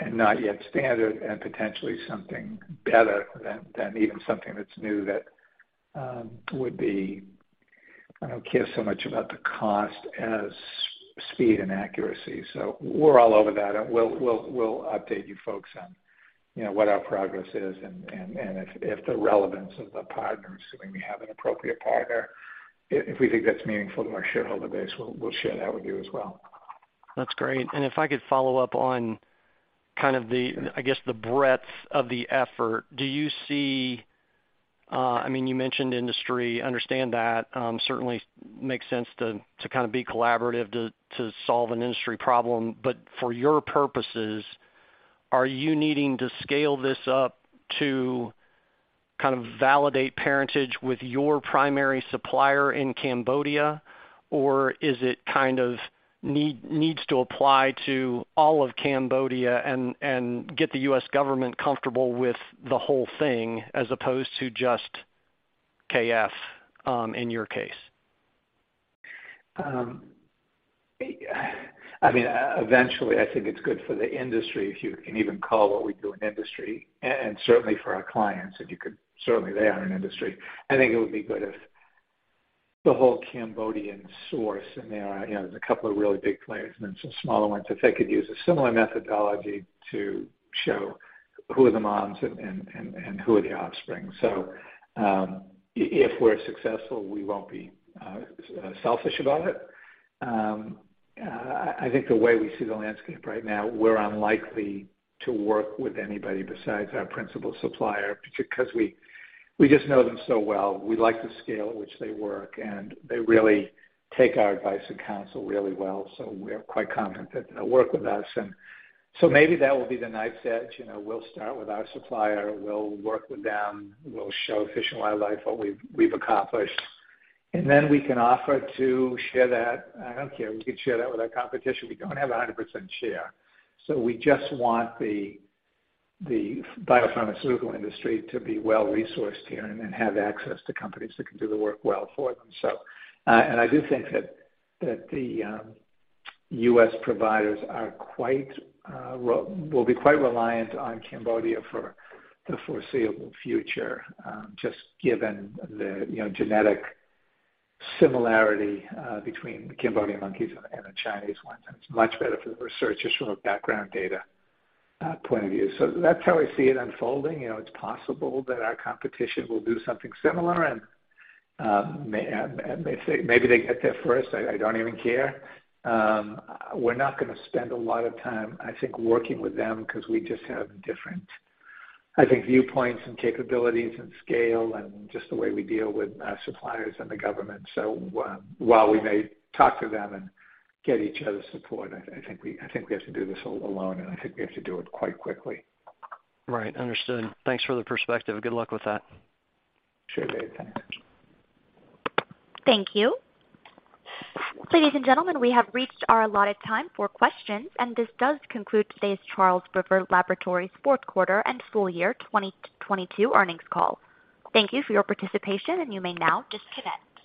and not yet standard and potentially something better than even something that's new that would be, I don't care so much about the cost as speed and accuracy. We're all over that, and we'll update you folks on, you know, what our progress is and if the relevance of the partners, assuming we have an appropriate partner, if we think that's meaningful to our shareholder base, we'll share that with you as well. That's great. If I could follow up on kind of the, I guess, the breadth of the effort. Do you see, I mean, you mentioned industry. Understand that, certainly makes sense to kind of be collaborative to solve an industry problem. For your purposes, are you needing to scale this up to kind of validate parentage with your primary supplier in Cambodia? Or is it needs to apply to all of Cambodia and get the U.S. government comfortable with the whole thing as opposed to just KF in your case? I mean, eventually, I think it's good for the industry if you can even call what we do an industry, and certainly for our clients, if you could. Certainly they are an industry. I think it would be good if the whole Cambodian source, and there are, you know, there's a couple of really big players and then some smaller ones. If they could use a similar methodology to show who are the moms and who are the offspring. If we're successful, we won't be selfish about it. I think the way we see the landscape right now, we're unlikely to work with anybody besides our principal supplier because we just know them so well. We like the scale at which they work, they really take our advice and counsel really well, we're quite confident they'll work with us. Maybe that will be the knife's edge. You know, we'll start with our supplier. We'll work with them. We'll show Fish and Wildlife what we've accomplished, then we can offer to share that. I don't care. We could share that with our competition. We don't have a 100% share, we just want the biopharmaceutical industry to be well-resourced here then have access to companies that can do the work well for them. I do think that the U.S. providers will be quite reliant on Cambodia for the foreseeable future, just given the, you know, genetic similarity between the Cambodian monkeys and the Chinese ones, and it's much better for the researchers from a background data point of view. That's how I see it unfolding. You know, it's possible that our competition will do something similar and maybe they get there first. I don't even care. We're not gonna spend a lot of time, I think, working with them because we just have different, I think, viewpoints and capabilities and scale and just the way we deal with our suppliers and the government. While we may talk to them and get each other's support, I think we have to do this all alone. I think we have to do it quite quickly. Right. Understood. Thanks for the perspective. Good luck with that. Sure, Dave. Thanks. Thank you. Ladies and gentlemen, we have reached our allotted time for questions. This does conclude today's Charles River Laboratories fourth quarter and full year 2022 earnings call. Thank you for your participation. You may now disconnect.